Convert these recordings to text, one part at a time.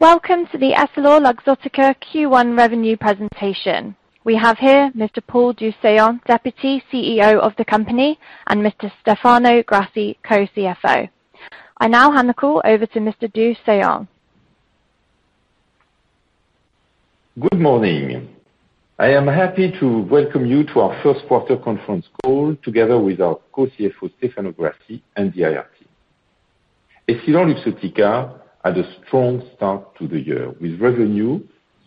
Welcome to the EssilorLuxottica Q1 revenue presentation. We have here Mr. Paul du Saillant, Deputy CEO of the company, and Mr. Stefano Grassi, Co-CFO. I now hand the call over to Mr. du Saillant. Good morning. I am happy to welcome you to our first quarter conference call together with our Co-CFO, Stefano Grassi, and the IR team. EssilorLuxottica had a strong start to the year, with revenue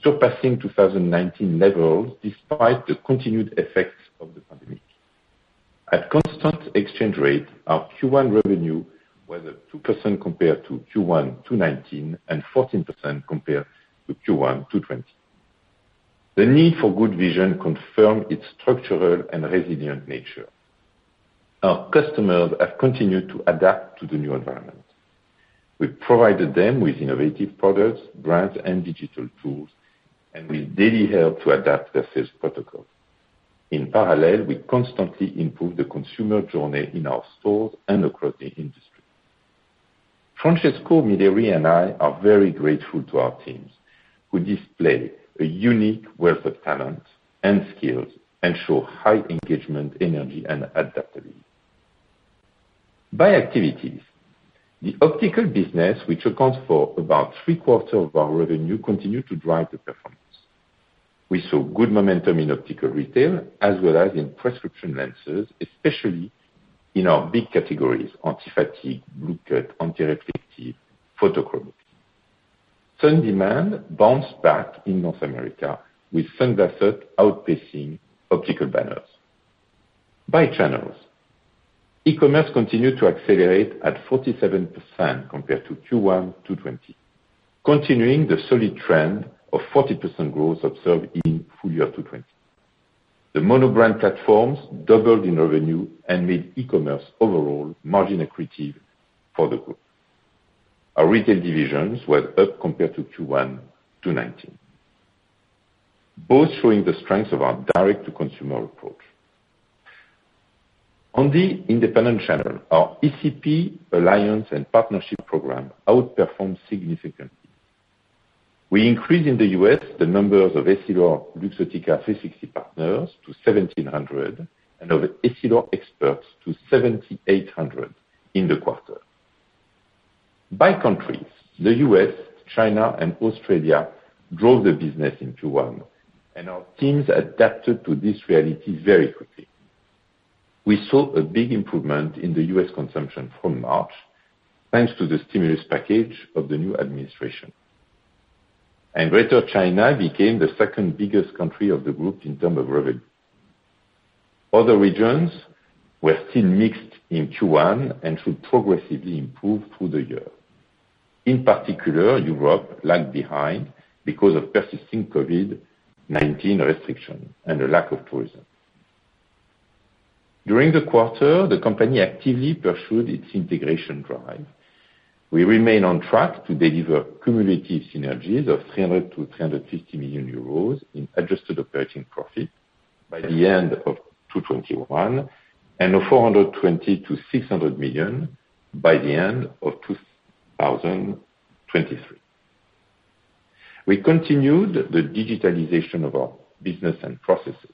surpassing 2019 levels despite the continued effects of the pandemic. At constant exchange rate, our Q1 revenue was at 2% compared to Q1 2019 and 14% compared to Q1 2020. The need for good vision confirmed its structural and resilient nature. Our customers have continued to adapt to the new environment. We provided them with innovative products, brands, and digital tools, and we daily help to adapt their sales protocol. In parallel, we constantly improve the consumer journey in our stores and across the industry. Francesco Milleri and I are very grateful to our teams, who display a unique wealth of talent and skills, ensure high engagement, energy, and adaptability. By activities, the optical business, which accounts for about three-quarters of our revenue, continued to drive the performance. We saw good momentum in optical retail as well as in prescription lenses, especially in our big categories, anti-fatigue, Blue Cut, anti-reflective, photochromic. Sun demand bounced back in North America, with sunglasses outpacing optical banners. By channels, e-commerce continued to accelerate at 47% compared to Q1 2020, continuing the solid trend of 40% growth observed in full year 2020. The monobrand platforms doubled in revenue and made e-commerce overall margin accretive for the group. Our retail divisions were up compared to Q1 2019, both showing the strength of our direct-to-consumer approach. On the independent channel, our ECP alliance and partnership program outperformed significantly. We increased in the U.S. the numbers of EssilorLuxottica 360 partners to 1,700 and of Essilor Experts to 7,800 in the quarter. By countries, the U.S., China, and Australia drove the business in Q1. Our teams adapted to this reality very quickly. We saw a big improvement in the U.S. consumption from March, thanks to the stimulus package of the new administration. Greater China became the second-biggest country of the group in terms of revenue. Other regions were still mixed in Q1 and should progressively improve through the year. In particular, Europe lagged behind because of persisting COVID-19 restrictions and a lack of tourism. During the quarter, the company actively pursued its integration drive. We remain on track to deliver cumulative synergies of 300 million-350 million euros in adjusted operating profit by the end of 2021 and of 420 million-600 million by the end of 2023. We continued the digitalization of our business and processes.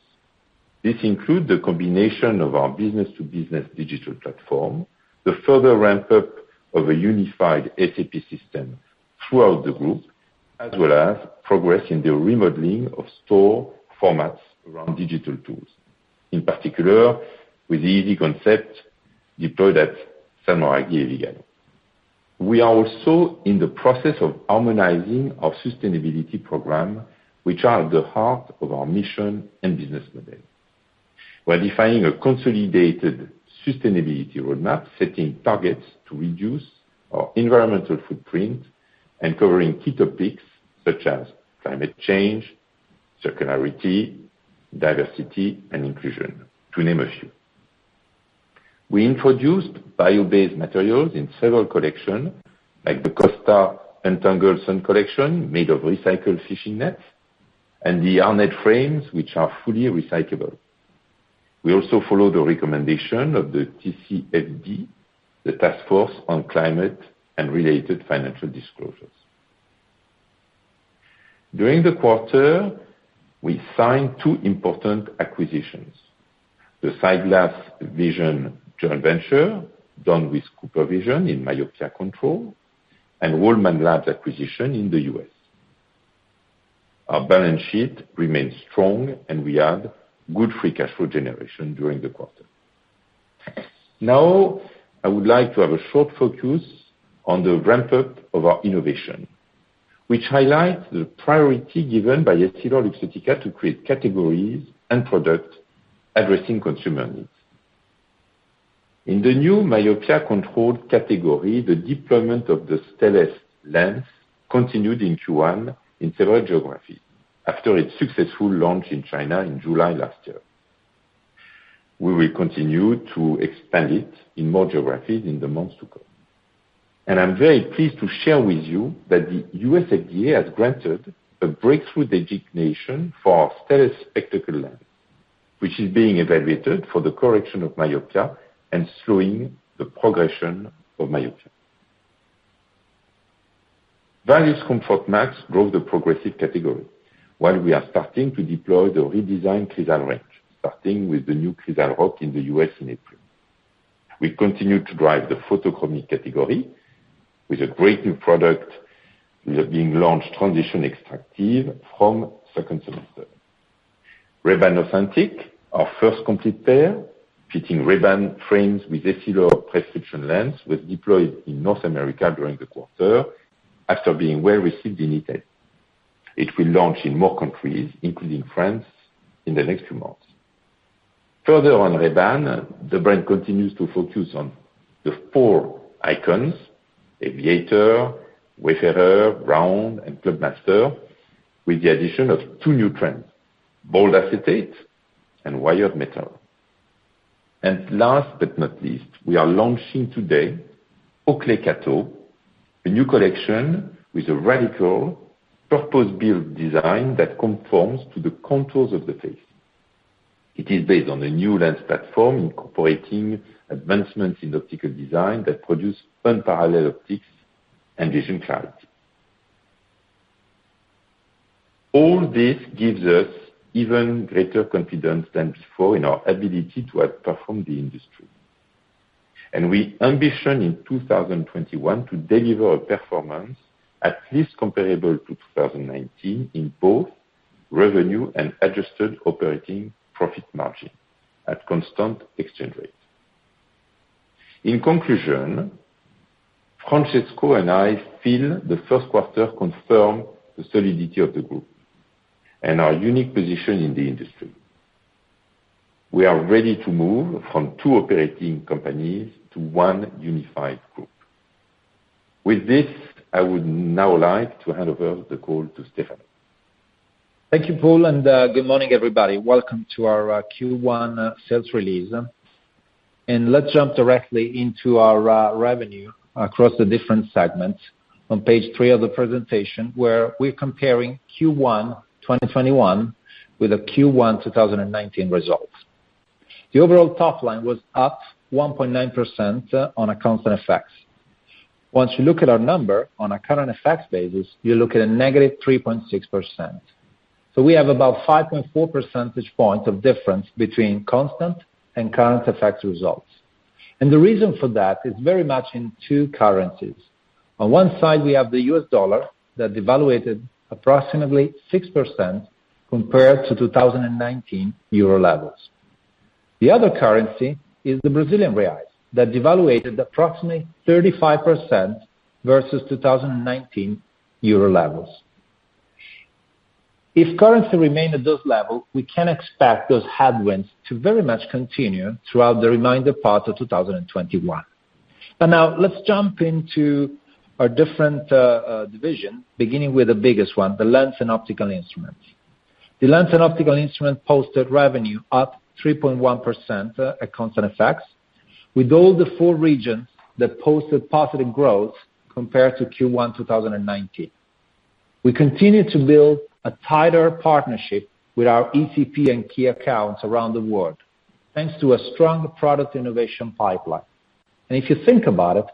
This includes the combination of our business-to-business digital platform, the further ramp-up of a unified SAP system throughout the group, as well as progress in the remodeling of store formats around digital tools. In particular, with easy concept deployed at Samui. We are also in the process of harmonizing our sustainability program, which are at the heart of our mission and business model. We're defining a consolidated sustainability roadmap, setting targets to reduce our environmental footprint, and covering key topics such as climate change, circularity, diversity, and inclusion, to name a few. We introduced bio-based materials in several collection, like the Costa Untangled Collection made of recycled fishing nets, and the Arnette frames, which are fully recyclable. We also follow the recommendation of the TCFD, the Task Force on Climate and Related Financial Disclosures. During the quarter, we signed two important acquisitions. The SightGlass Vision joint venture done with CooperVision in myopia control and Walman Labs acquisition in the U.S. Our balance sheet remains strong, and we had good free cash flow generation during the quarter. Now, I would like to have a short focus on the ramp-up of our innovation, which highlights the priority given by EssilorLuxottica to create categories and products addressing consumer needs. In the new myopia control category, the deployment of the Stellest lens continued in Q1 in several geographies after its successful launch in China in July last year. We will continue to expand it in more geographies in the months to come. I'm very pleased to share with you that the U.S. FDA has granted a breakthrough designation for our Stellest spectacle lens, which is being evaluated for the correction of myopia and slowing the progression of myopia. Varilux Comfort Max grows the progressive category, while we are starting to deploy the redesigned Crizal range, starting with the new Crizal Rock in the U.S. in April. We continue to drive the photochromic category with a great new product being launched Transitions XTRActive from second semester. Ray-Ban Authentic, our first complete pair fitting Ray-Ban frames with Essilor prescription lens was deployed in North America during the quarter after being well received in Italy. It will launch in more countries, including France, in the next few months. Further on Ray-Ban, the brand continues to focus on the four icons, Aviator, Wayfarer, Round, and Clubmaster, with the addition of two new trends, bold acetate and wired metal. Last but not least, we are launching today Oakley Kato, a new collection with a radical purpose-built design that conforms to the contours of the face. It is based on the new lens platform incorporating advancements in optical design that produce unparalleled optics and vision clarity. All this gives us even greater confidence than before in our ability to outperform the industry. We ambition in 2021 to deliver a performance at least comparable to 2019 in both revenue and adjusted operating profit margin at constant exchange rates. In conclusion, Francesco and I feel the first quarter confirms the solidity of the group and our unique position in the industry. We are ready to move from two operating companies to one unified group. With this, I would now like to hand over the call to Stefano. Thank you, Paul. Good morning, everybody. Welcome to our Q1 sales release. Let's jump directly into our revenue across the different segments on page three of the presentation, where we're comparing Q1 2021 with the Q1 2019 results. The overall top line was up 1.9% on a constant FX. Once you look at our number on a current FX basis, you look at a -3.6%. We have about 5.4 percentage points of difference between constant and current FX results. The reason for that is very much in two currencies. On one side, we have the US dollar that devaluated approximately 6% compared to 2019 Euro levels. The other currency is the Brazilian reais that devaluated approximately 35% versus 2019 Euro levels. If currency remain at those levels, we can expect those headwinds to very much continue throughout the remainder part of 2021. Now let's jump into our different division, beginning with the biggest one, the Lens and Optical Instruments. The Lens and Optical Instruments posted revenue up 3.1% at constant FX, with all the four regions that posted positive growth compared to Q1 2019. We continue to build a tighter partnership with our ECP and key accounts around the world, thanks to a strong product innovation pipeline. If you think about it,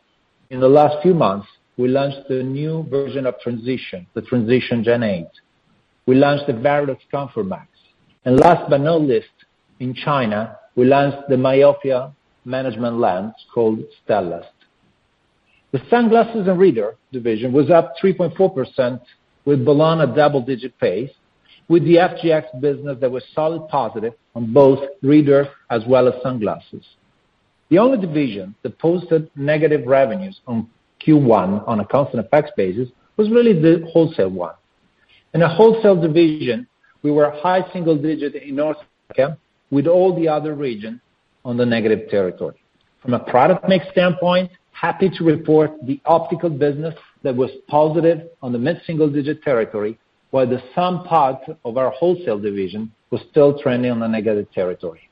in the last few months, we launched the new version of Transitions, the Transitions Signature GEN 8. We launched the Varilux Comfort Max. Last but not least, in China, we launched the myopia management lens called Stellest. The Sunglasses and Reader division was up 3.4% moving at a double-digit pace with the FGX business that was solid positive on both reader as well as sunglasses. The only division that posted negative revenues on Q1 on a constant FX basis was really the wholesale one. In the wholesale division, we were high single digit in North America with all the other region on the negative territory. From a product mix standpoint, happy to report the optical business that was positive on the mid-single digit territory, while the sun part of our wholesale division was still trending on a negative territory.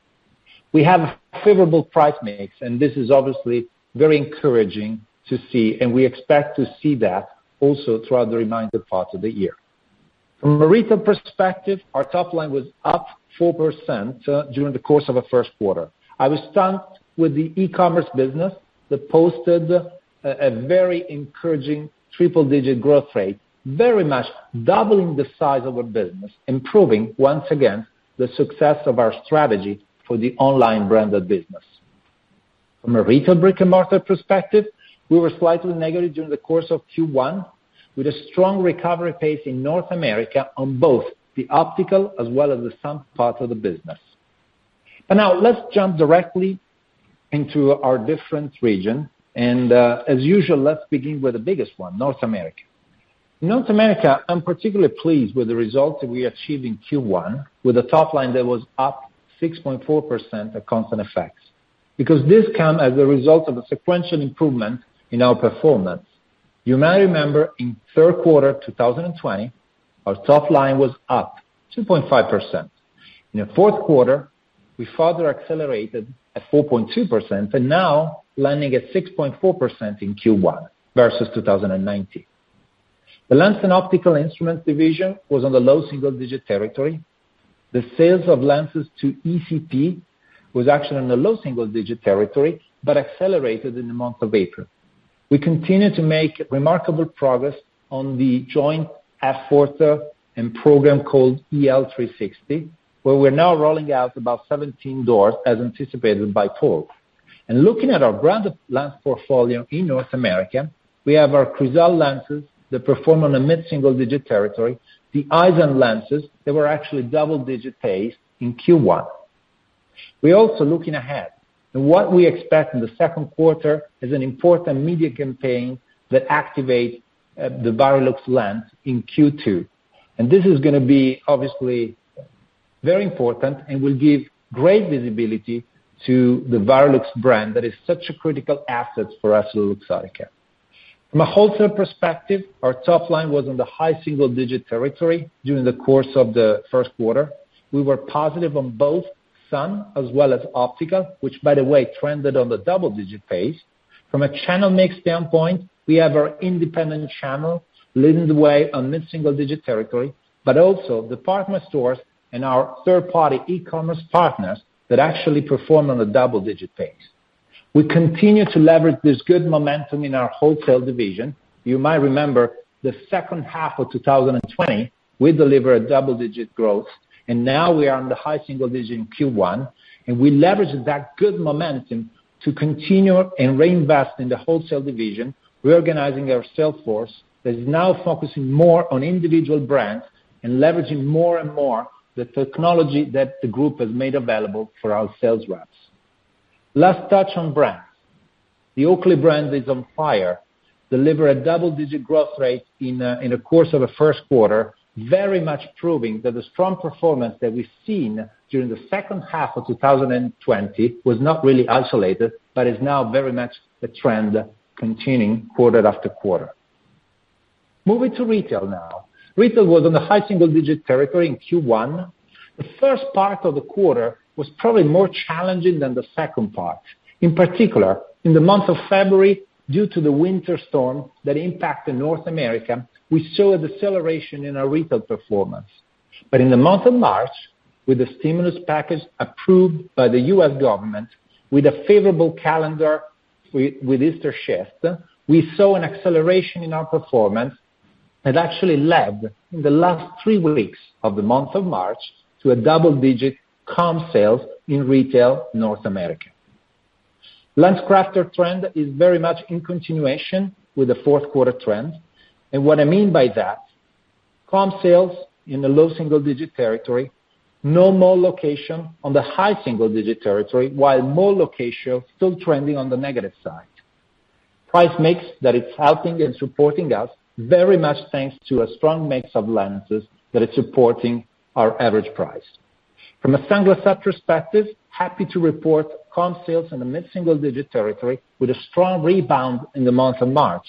We have a favorable price mix, and this is obviously very encouraging to see, and we expect to see that also throughout the remainder parts of the year. From a retail perspective, our top line was up 4% during the course of the first quarter. I was stunned with the e-commerce business that posted a very encouraging triple-digit growth rate, very much doubling the size of our business, improving once again, the success of our strategy for the online branded business. From a retail brick-and-mortar perspective, we were slightly negative during the course of Q1 with a strong recovery pace in North America on both the optical as well as the sun part of the business. Now let's jump directly into our different region. As usual, let's begin with the biggest one, North America. North America, I'm particularly pleased with the results that we achieved in Q1 with the top line that was up 6.4% at constant FX, because this come as a result of a sequential improvement in our performance. You might remember in third quarter 2020, our top line was up 2.5%. In the fourth quarter, we further accelerated at 4.2%, and now landing at 6.4% in Q1 versus 2019.The lens and optical instruments division was on the low single-digit territory. The sales of lenses to ECP was actually on the low single-digit territory, but accelerated in the month of April. We continue to make remarkable progress on the joint effort and program called EL 360, where we're now rolling out about 17 doors as anticipated by Paul. Looking at our brand lens portfolio in North America, we have our Crizal lenses that perform on a mid-single digit territory, the Eyezen lenses that were actually double-digit pace in Q1. We're also looking ahead, and what we expect in the second quarter is an important media campaign that activates the Varilux lens in Q2. This is going to be obviously very important and will give great visibility to the Varilux brand that is such a critical asset for EssilorLuxottica. From a wholesale perspective, our top line was in the high single-digit territory during the course of the first quarter. We were positive on both sun as well as optical, which, by the way, trended on the double-digit pace. From a channel mix standpoint, we have our independent channel leading the way on mid-single digit territory, but also the partner stores and our third-party e-commerce partners that actually perform on a double-digit pace. We continue to leverage this good momentum in our wholesale division. You might remember the second half of 2020, we delivered double-digit growth, and now we are on the high single digit in Q1, and we leverage that good momentum to continue and reinvest in the wholesale division. We're organizing our sales force that is now focusing more on individual brands and leveraging more and more the technology that the group has made available for our sales reps. Last touch on brands. The Oakley brand is on fire, deliver a double-digit growth rate in the course of the first quarter, very much proving that the strong performance that we've seen during the second half of 2020 was not really isolated, but is now very much a trend continuing quarter after quarter. Moving to retail now. Retail was on a high single-digit territory in Q1. The first part of the quarter was probably more challenging than the second part. In particular, in the month of February, due to the winter storm that impacted North America, we saw a deceleration in our retail performance. In the month of March, with the stimulus package approved by the U.S. government with a favorable calendar with Easter shift, we saw an acceleration in our performance that actually led in the last three weeks of the month of March to a double-digit comp sales in retail North America. LensCrafters trend is very much in continuation with the fourth quarter trend. What I mean by that, comp sales in the low single-digit territory, no mall location on the high single-digit territory, while mall location still trending on the negative side. Price mix that is helping and supporting us very much thanks to a strong mix of lenses that is supporting our average price. From a sunglass set perspective, happy to report comp sales in the mid-single digit territory with a strong rebound in the month of March.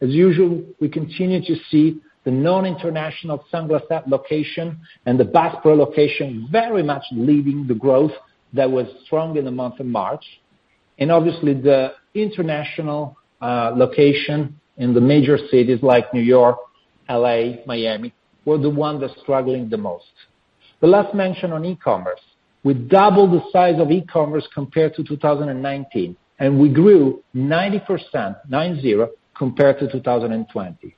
As usual, we continue to see the non-international Sunglass Hut location and the Bass Pro location very much leading the growth that was strong in the month of March. Obviously the international location in the major cities like New York, L.A., Miami, were the one that's struggling the most. The last mention on e-commerce. We doubled the size of e-commerce compared to 2019, and we grew 90%, nine zero, compared to 2020.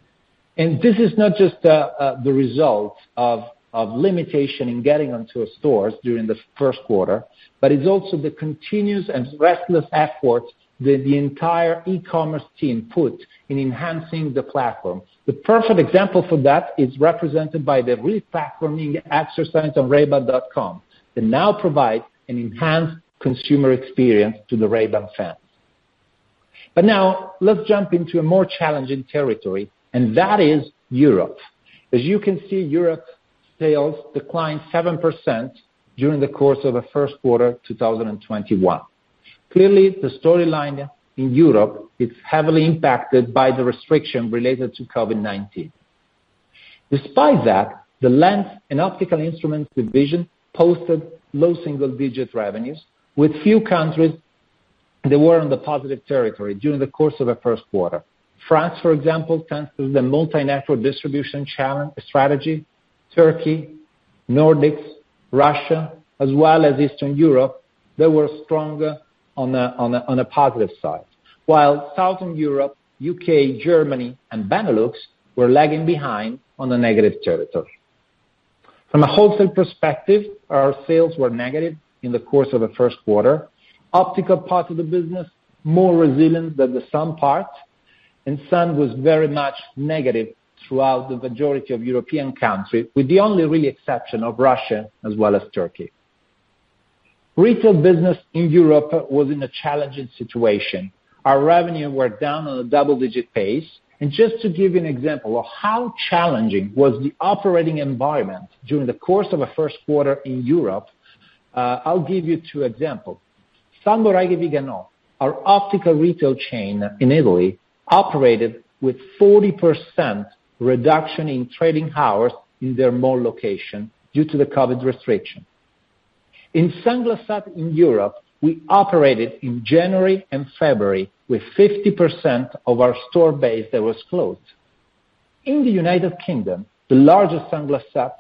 This is not just the result of limitation in getting into our stores during the first quarter, but it's also the continuous and restless effort that the entire e-commerce team put in enhancing the platform. The perfect example for that is represented by the re-platforming exercise on rayban.com, that now provide an enhanced consumer experience to the Ray-Ban fans. Now let's jump into a more challenging territory, and that is Europe. As you can see, Europe sales declined 7% during the course of the first quarter 2021. Clearly, the storyline in Europe is heavily impacted by the restriction related to COVID-19. Despite that, the lens and optical instruments division posted low single-digit revenues with few countries that were in the positive territory during the course of the first quarter. France, for example, thanks to the multi-channel distribution strategy, Turkey, Nordics, Russia, as well as Eastern Europe, they were stronger on a positive side. Southern Europe, U.K., Germany, and Benelux were lagging behind on a negative territory. From a wholesale perspective, our sales were negative in the course of the first quarter. Optical part of the business, more resilient than the sun part. Sun was very much negative throughout the majority of European countries, with the only really exception of Russia as well as Turkey. Retail business in Europe was in a challenging situation. Our revenue were down on a double-digit pace. Just to give you an example of how challenging was the operating environment during the course of the first quarter in Europe, I'll give you two example. Salmoiraghi & Viganò, our optical retail chain in Italy, operated with 40% reduction in trading hours in their mall location due to the COVID-19 restriction. Sunglass Hut in Europe, we operated in January and February with 50% of our store base that was closed. The United Kingdom, the largest Sunglass Hut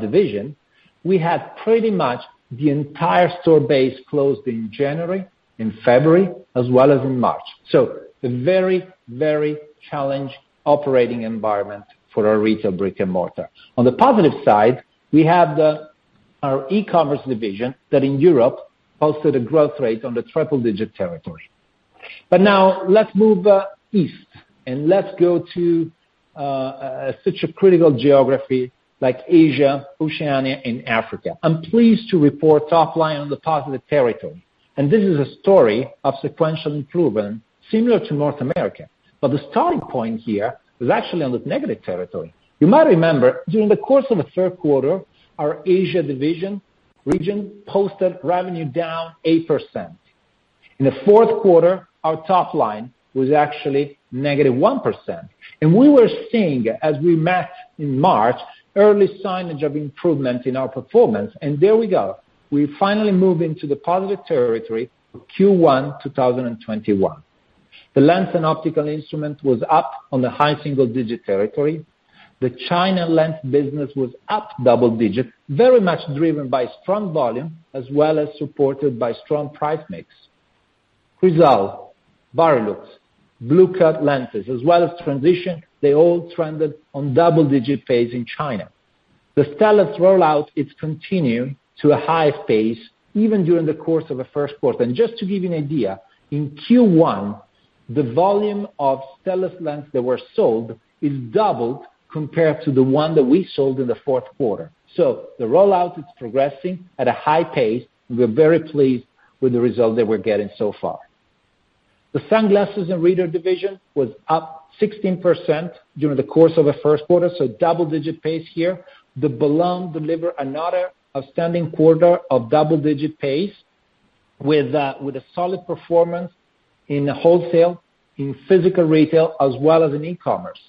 division, we had pretty much the entire store base closed in January, in February, as well as in March. A very, very challenged operating environment for our retail brick and mortar. On the positive side, we have our e-commerce division that in Europe posted a growth rate on the triple digit territory. Now let's move east and let's go to such a critical geography like Asia, Oceania, and Africa. I'm pleased to report top line on the positive territory, and this is a story of sequential improvement similar to North America. The starting point here is actually on the negative territory. You might remember during the course of the third quarter, our Asia division region posted revenue down 8%. In the fourth quarter, our top line was actually negative 1%. We were seeing, as we met in March, early signage of improvement in our performance. There we go, we finally move into the positive territory Q1 2021. The lens and optical instrument was up on the high single digit territory. The China lens business was up double digit, very much driven by strong volume as well as supported by strong price mix. Crizal, Varilux, Blue Cut lenses as well as Transitions, they all trended on double-digit pace in China. The Stellest rollout is continuing to a high pace even during the course of the first quarter. Just to give you an idea, in Q1, the volume of Stellest lens that were sold is doubled compared to the one that we sold in the fourth quarter. The rollout is progressing at a high pace. We're very pleased with the result that we're getting so far. The sunglasses and reader division was up 16% during the course of the first quarter, so double-digit pace here. The Balmain deliver another outstanding quarter of double-digit pace with a solid performance in wholesale, in physical retail, as well as in e-commerce.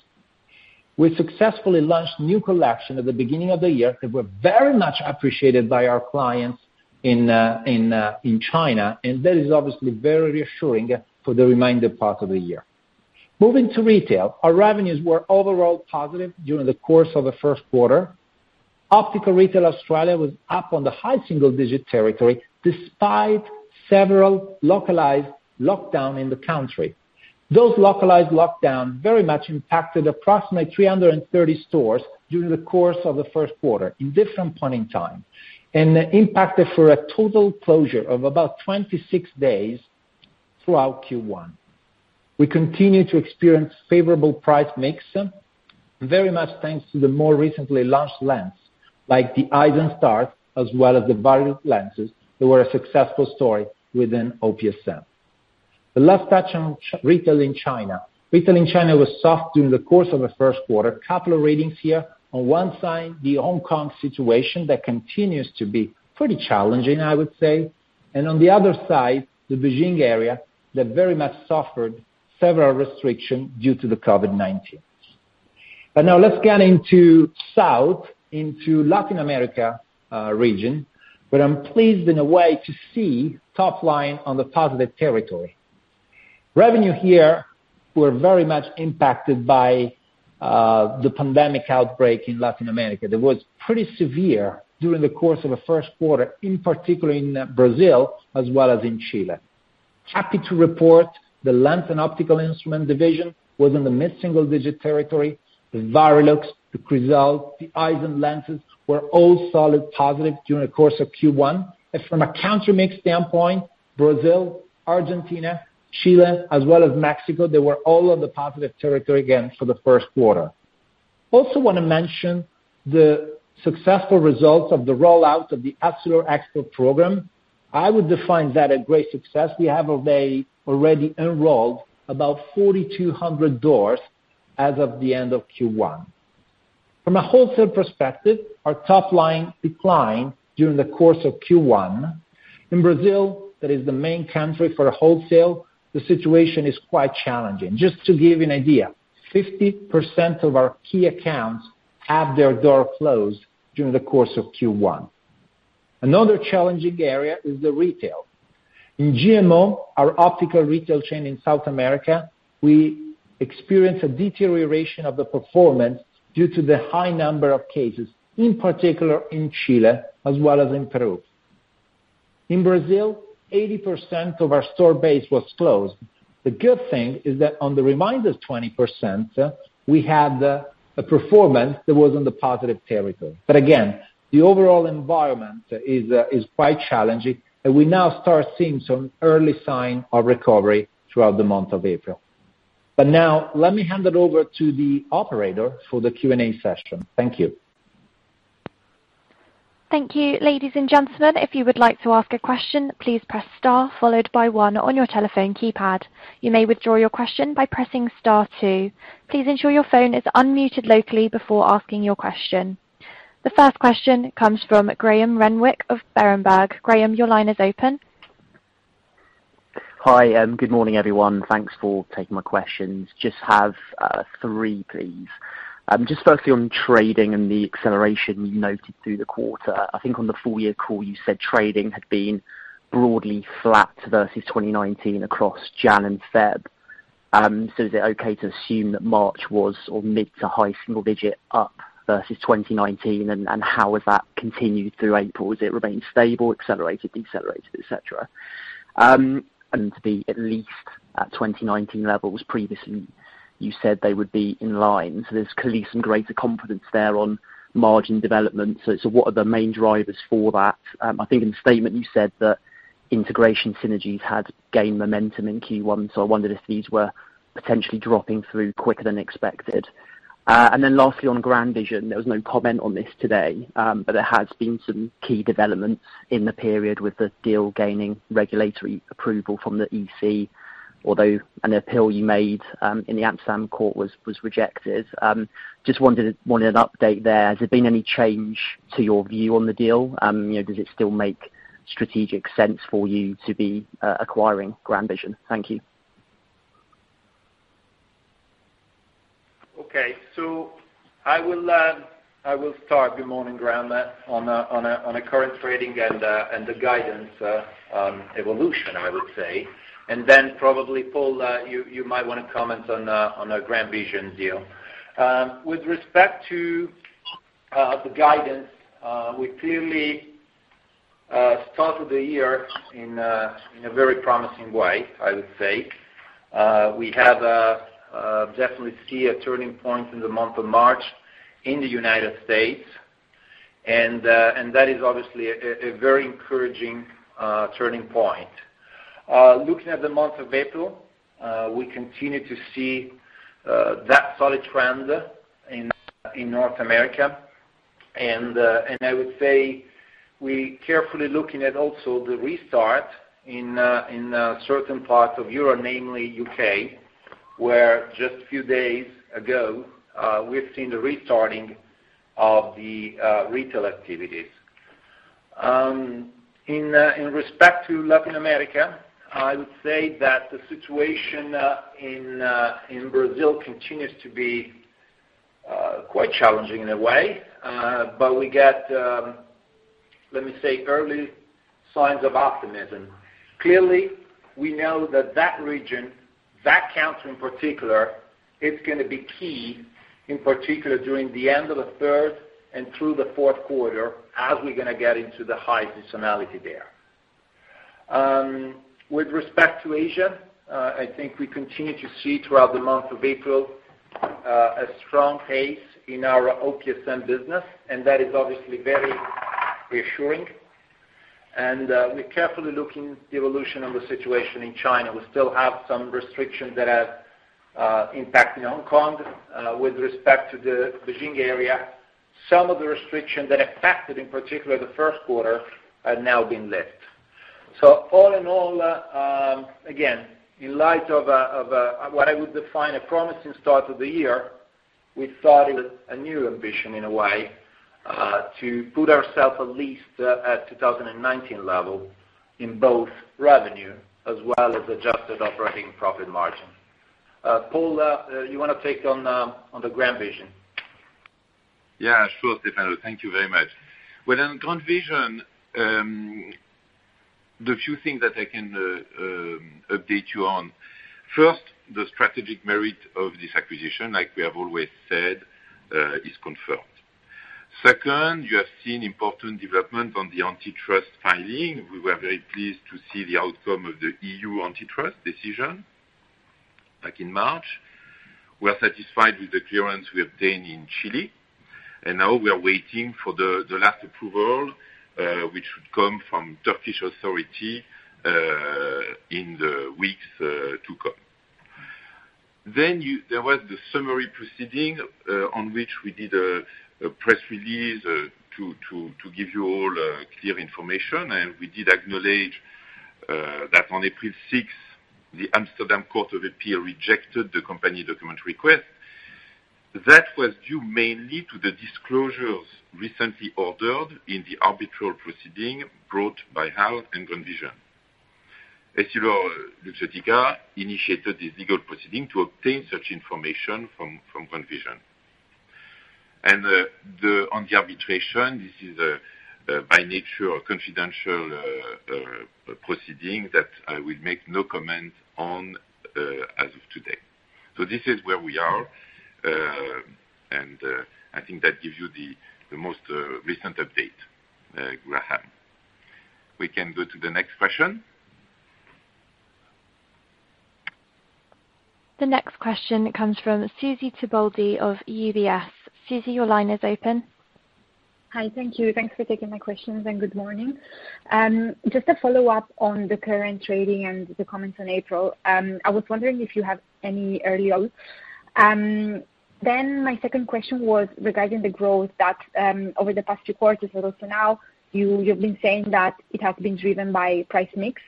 We successfully launched new collection at the beginning of the year that were very much appreciated by our clients in China. That is obviously very reassuring for the remainder part of the year. Moving to retail, our revenues were overall positive during the course of the first quarter. Optical Retail Australia was up on the high single digit territory despite several localized lockdown in the country. Those localized lockdown very much impacted approximately 330 stores during the course of the first quarter in different point in time. Impacted for a total closure of about 26 days throughout Q1. We continue to experience favorable price mix, very much thanks to the more recently launched lens, like the Eyezen Start as well as the Varilux lenses that were a successful story within OPSM. The last touch on retail in China. Retail in China was soft during the course of the first quarter. Couple of readings here. On one side, the Hong Kong situation that continues to be pretty challenging, I would say, and on the other side, the Beijing area that very much suffered several restrictions due to the COVID-19. Now let's get into South, into Latin America region, where I'm pleased in a way to see top line on the positive territory. Revenue here were very much impacted by the pandemic outbreak in Latin America that was pretty severe during the course of the first quarter, in particular in Brazil as well as in Chile. Happy to report the lens and optical instrument division was in the mid-single digit territory. The Varilux, the Crizal, the Eyezen lenses were all solid positive during the course of Q1. From a country mix standpoint, Brazil, Argentina, Chile, as well as Mexico, they were all on the positive territory again for the first quarter. Also want to mention the successful results of the rollout of the Essilor Experts Program. I would define that a great success. We have already enrolled about 4,200 doors as of the end of Q1. From a wholesale perspective, our top line declined during the course of Q1. In Brazil, that is the main country for wholesale, the situation is quite challenging. Just to give you an idea, 50% of our key accounts have their door closed during the course of Q1. Another challenging area is the retail. In GMO, our optical retail chain in South America, we experience a deterioration of the performance due to the high number of cases, in particular in Chile as well as in Peru. In Brazil, 80% of our store base was closed. The good thing is that on the remaining 20%, we had a performance that was on the positive territory. Again, the overall environment is quite challenging, and we now start seeing some early sign of recovery throughout the month of April. Now let me hand it over to the operator for the Q&A session. Thank you. Thank you, ladies and gentlemen. If you would like to ask a question, please press star followed by one on your telephone keypad. You may withdraw your question by pressing star two. Please ensure your phone is unmuted locally before asking your question. The first question comes from Graham Renwick of Berenberg. Graham, your line is open. Hi, good morning, everyone. Thanks for taking my questions. Just have three please. Just firstly on trading and the acceleration you noted through the quarter. I think on the full year call you said trading had been broadly flat versus 2019 across Jan and Feb. Is it okay to assume that March was or mid to high single digit up versus 2019? How has that continued through April? Has it remained stable, accelerated, decelerated, et cetera? To be at least at 2019 levels. Previously you said they would be in line, so there's clearly some greater confidence there on margin development. What are the main drivers for that? I think in the statement you said that integration synergies had gained momentum in Q1, so I wondered if these were potentially dropping through quicker than expected. Lastly, on GrandVision, there was no comment on this today. There has been some key developments in the period with the deal gaining regulatory approval from the EC, although an appeal you made, in the Amsterdam court was rejected. Just wanted an update there. Has there been any change to your view on the deal? Does it still make strategic sense for you to be acquiring GrandVision? Thank you. Okay. I will start. Good morning, Graham. On a current trading and the guidance, evolution, I would say. Then probably Paul, you might want to comment on GrandVision deal. With respect to the guidance, we clearly started the year in a very promising way, I would say. We have definitely seen a turning point in the month of March in the United States, and that is obviously a very encouraging turning point. Looking at the month of April, we continue to see that solid trend in North America, and I would say we are carefully looking at also the restart in certain parts of Europe, namely U.K., where just few days ago, we have seen the restarting of the retail activities. In respect to Latin America, I would say that the situation in Brazil continues to be quite challenging in a way. We get, let me say, early signs of optimism. Clearly, we know that that region, that country in particular, it's going to be key, in particular during the end of the third and through the fourth quarter as we're going to get into the high seasonality there. With respect to Asia, I think we continue to see throughout the month of April, a strong pace in our OPSM business, and that is obviously very reassuring. We're carefully looking the evolution of the situation in China. We still have some restrictions that have impact in Hong Kong. With respect to the Beijing area, some of the restrictions that affected, in particular the first quarter, have now been lifted. All in all, again, in light of what I would define a promising start to the year, we started a new ambition in a way, to put ourself at least at 2019 level in both revenue as well as adjusted operating profit margin. Paul, you want to take on GrandVision? Yeah, sure, Stefano. Thank you very much. Within GrandVision, the few things that I can update you on. First, the strategic merit of this acquisition, like we have always said, is confirmed. Second, you have seen important development on the antitrust filing. We were very pleased to see the outcome of the EU antitrust decision back in March. We are satisfied with the clearance we obtained in Chile. Now we are waiting for the last approval, which should come from Turkish authority in the weeks to come. There was the summary proceeding, on which we did a press release to give you all clear information. We did acknowledge that on April 6th, the Amsterdam Court of Appeal rejected the company document request. That was due mainly to the disclosures recently ordered in the arbitral proceeding brought by HAL and GrandVision. EssilorLuxottica initiated this legal proceeding to obtain such information from GrandVision. On the arbitration, this is by nature a confidential proceeding that I will make no comment on as of today. This is where we are. I think that gives you the most recent update, Graham. We can go to the next question. The next question comes from Susy Tibaldi of UBS. Suzy, your line is open. Hi. Thank you. Thanks for taking my questions and good morning. Just a follow-up on the current trading and the comments on April. I was wondering if you have any early out. My second question was regarding the growth that, over the past two quarters or so now, you've been saying that it has been driven by price mix.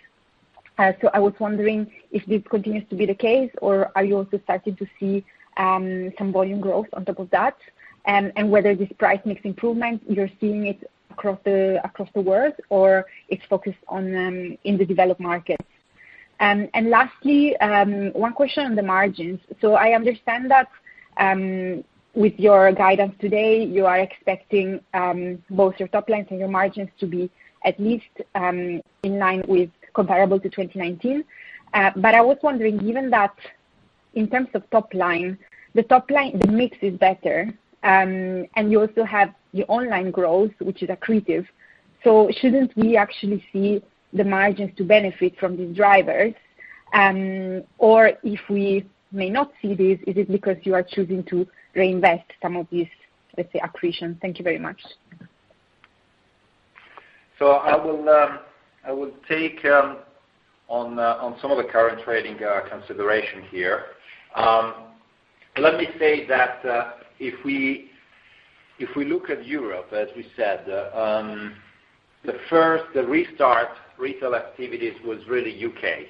I was wondering if this continues to be the case or are you also starting to see some volume growth on top of that? Whether this price mix improvement, you're seeing it across the world or it's focused on in the developed markets? Lastly, one question on the margins. I understand that with your guidance today, you are expecting both your top lines and your margins to be at least in line with comparable to 2019. I was wondering, given that in terms of top line, the mix is better. You also have your online growth, which is accretive. Shouldn't we actually see the margins to benefit from these drivers? If we may not see this, is it because you are choosing to reinvest some of this, let's say, accretion? Thank you very much. I will take on some of the current trading consideration here. Let me say that, if we look at Europe, as we said, the first restart retail activities was really U.K.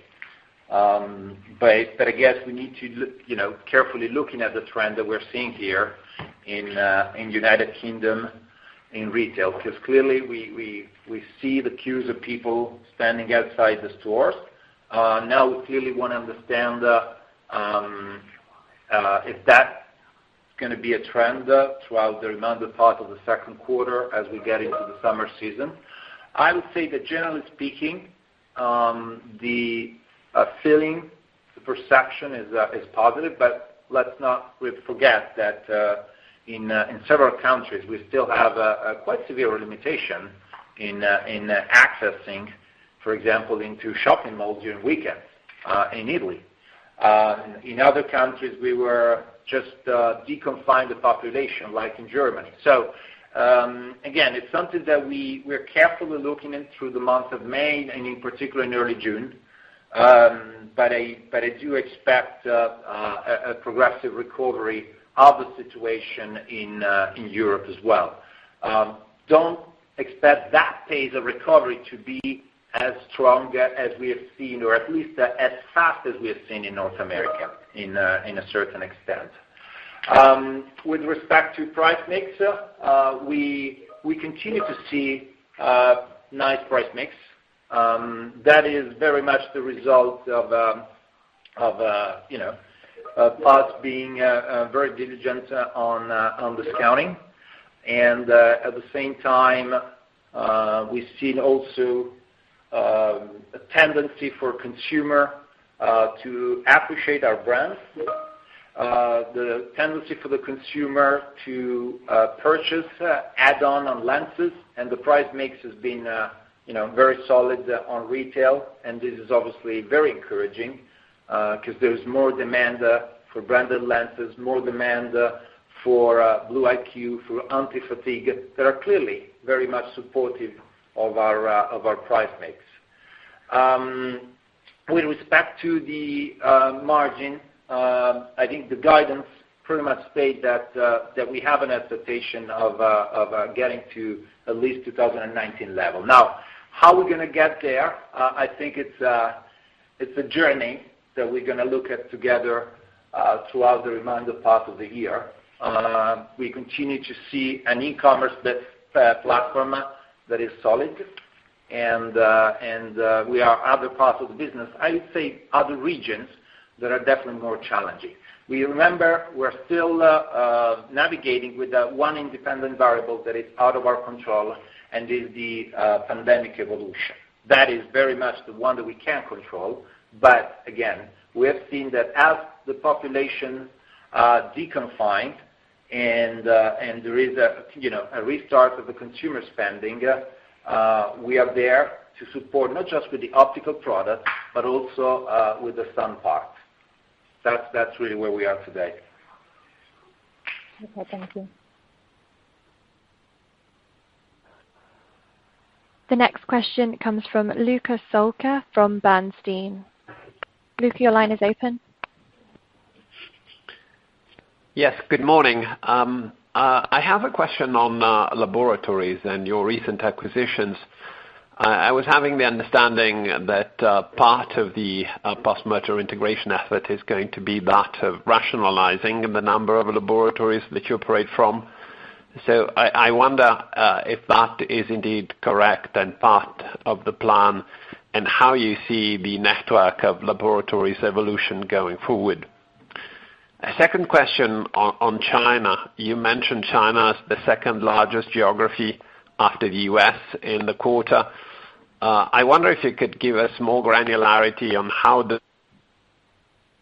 Again, we need to carefully looking at the trend that we're seeing here in United Kingdom in retail, because clearly we see the queues of people standing outside the stores. We clearly want to understand if that's going to be a trend throughout the remainder part of the second quarter as we get into the summer season. I would say that generally speaking, the feeling, the perception is positive. Let's not forget that in several countries, we still have a quite severe limitation in accessing, for example, into shopping malls during weekends in Italy. In other countries, we were just deconfined the population, like in Germany. Again, it's something that we're carefully looking in through the month of May and in particular in early June. I do expect a progressive recovery of the situation in Europe as well. Don't expect that phase of recovery to be as strong as we have seen or at least as fast as we have seen in North America in a certain extent. With respect to price mix, we continue to see a nice price mix. That is very much the result of Lux being very diligent on discounting. At the same time, we've seen also a tendency for consumer to appreciate our brands, the tendency for the consumer to purchase add-on on lenses and the price mix has been very solid on retail and this is obviously very encouraging, because there is more demand for branded lenses, more demand for Blue IQ, for anti-fatigue that are clearly very much supportive of our price mix. With respect to the margin, I think the guidance pretty much state that we have an expectation of getting to at least 2019 level. Now, how we're going to get there? I think it's a journey that we're going to look at together throughout the remainder part of the year. We continue to see an e-commerce platform that is solid and we are other parts of the business, I would say other regions that are definitely more challenging. Remember, we're still navigating with one independent variable that is out of our control and is the pandemic evolution. That is very much the one that we can't control. Again, we have seen that as the population deconfined and there is a restart of the consumer spending, we are there to support not just with the optical product, but also with the sun part. That's really where we are today. Okay. Thank you. The next question comes from Luca Solca from Bernstein. Luca, your line is open. Yes, good morning. I have a question on laboratories and your recent acquisitions. I was having the understanding that part of the post-merger integration effort is going to be that of rationalizing the number of laboratories that you operate from. I wonder if that is indeed correct and part of the plan and how you see the network of laboratories evolution going forward. A second question on China. You mentioned China as the second largest geography after the U.S. in the quarter. I wonder if you could give us more granularity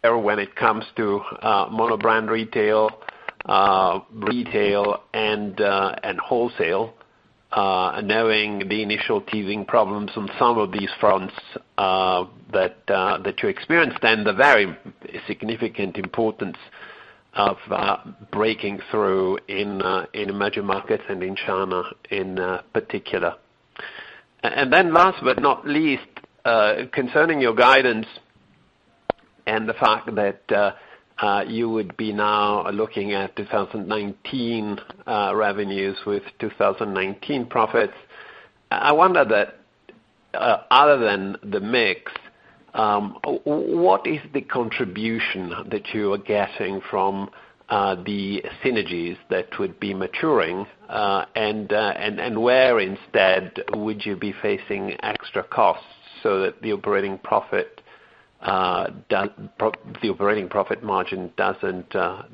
when it comes to mono brand retail and wholesale, knowing the initial teething problems on some of these fronts that you experienced and the very significant importance of breaking through in emerging markets and in China in particular. Last but not least, concerning your guidance and the fact that you would be now looking at 2019 revenues with 2019 profits. I wonder that, other than the mix, what is the contribution that you are getting from the synergies that would be maturing, and where instead would you be facing extra costs so that the operating profit margin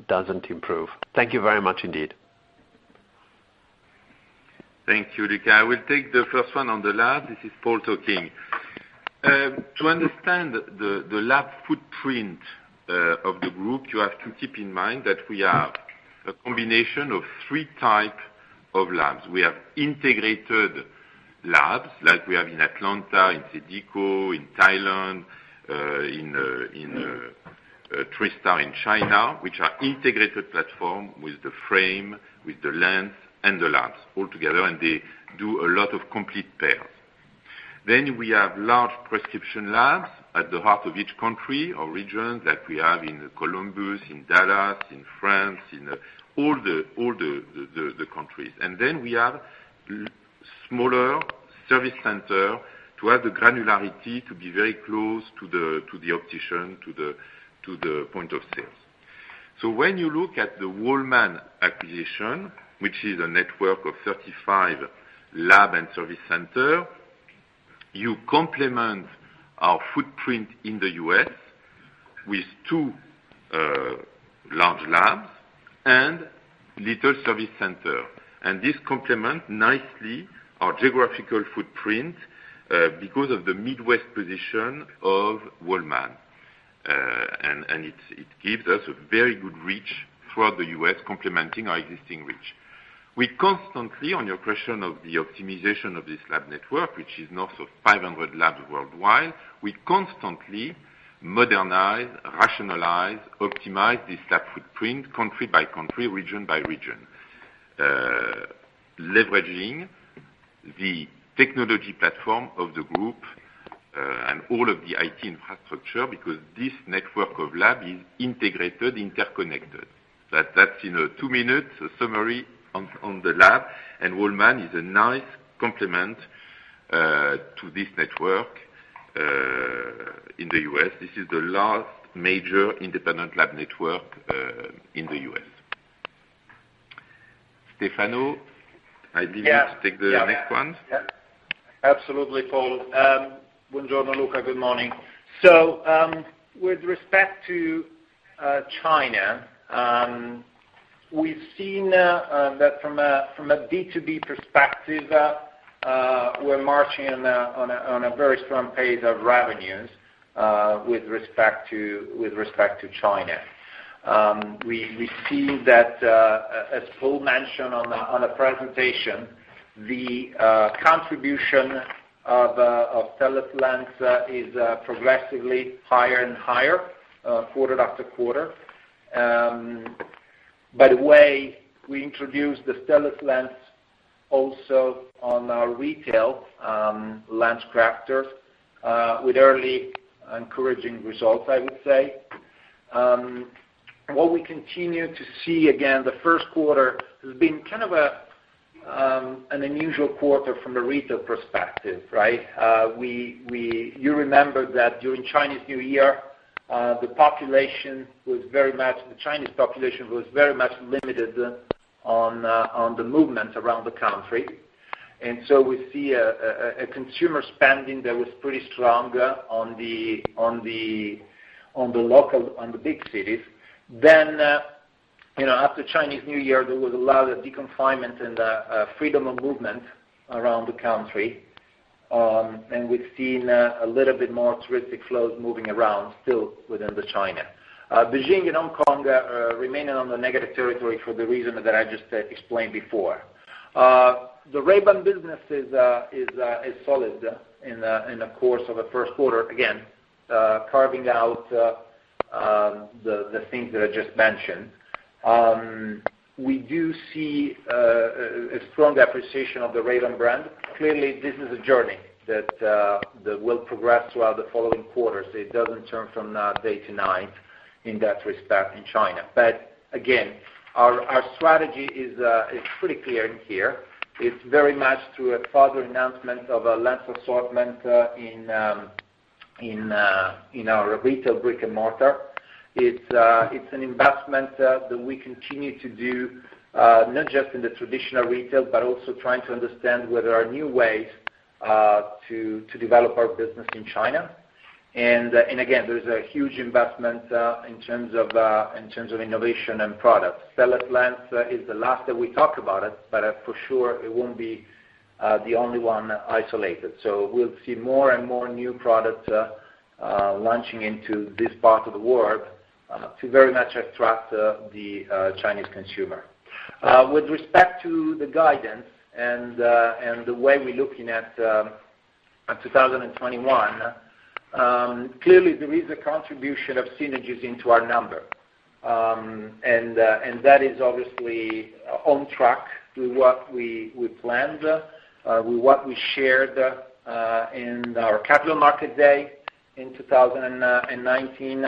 doesn't improve. Thank you very much, indeed. Thank you, Luca. I will take the first one on the lab. This is Paul talking. To understand the lab footprint of the group, you have to keep in mind that we are a combination of three type of labs. We have integrated labs, like we have in Atlanta, in Sedico, in Thailand, in Tristar in China, which are integrated platform with the frame, with the lens, and the labs all together, and they do a lot of complete pairs. We have large prescription labs at the heart of each country or region like we have in Columbus, in Dallas, in France, in all the countries. We have smaller service center to have the granularity to be very close to the optician, to the point of sales. When you look at the Walman acquisition, which is a network of 35 lab and service center, you complement our footprint in the U.S. with two large labs and little service center. This complement nicely our geographical footprint, because of the Midwest position of Walman. It gives us a very good reach throughout the U.S. complementing our existing reach. On your question of the optimization of this lab network, which is north of 500 labs worldwide, we constantly modernize, rationalize, optimize this lab footprint country by country, region by region. Leveraging the technology platform of the group, and all of the IT infrastructure, because this network of lab is integrated, interconnected. That's a two-minute summary on the lab, and Walman is a nice complement to this network in the U.S. This is the last major independent lab network in the U.S. Stefano, I believe you take the next one. Yeah. Absolutely, Paul. Buongiorno, Luca. Good morning. With respect to China, we've seen that from a B2B perspective, we're marching on a very strong pace of revenues with respect to China. We see that, as Paul mentioned on the presentation, the contribution of Stellest lens is progressively higher and higher quarter after quarter. By the way, we introduced the Stellest lens also on our retail LensCrafters, with early encouraging results, I would say. What we continue to see, again, the first quarter has been kind of an unusual quarter from a retail perspective, right? You remember that during Chinese New Year, the Chinese population was very much limited on the movement around the country. We see a consumer spending that was pretty strong on the big cities. After Chinese New Year, there was a lot of deconfinement and freedom of movement around the country, and we've seen a little bit more touristic flows moving around still within the China. Beijing and Hong Kong remaining on the negative territory for the reason that I just explained before. The Ray-Ban business is solid in the course of the first quarter. Again, carving out the things that I just mentioned. We do see a strong appreciation of the Ray-Ban brand. Clearly, this is a journey that will progress throughout the following quarters. It doesn't turn from day to night in that respect in China. Again, our strategy is pretty clear in here. It's very much through a further announcement of a lens assortment in our retail brick and mortar. It's an investment that we continue to do, not just in the traditional retail, but also trying to understand whether our new ways to develop our business in China. Again, there's a huge investment in terms of innovation and product. Stellest lens is the last that we talk about it, but for sure, it won't be the only one isolated. We'll see more and more new product launching into this part of the world, to very much attract the Chinese consumer. With respect to the guidance and the way we're looking at 2021, clearly there is a contribution of synergies into our number. That is obviously on track with what we planned, with what we shared in our capital market day in 2019.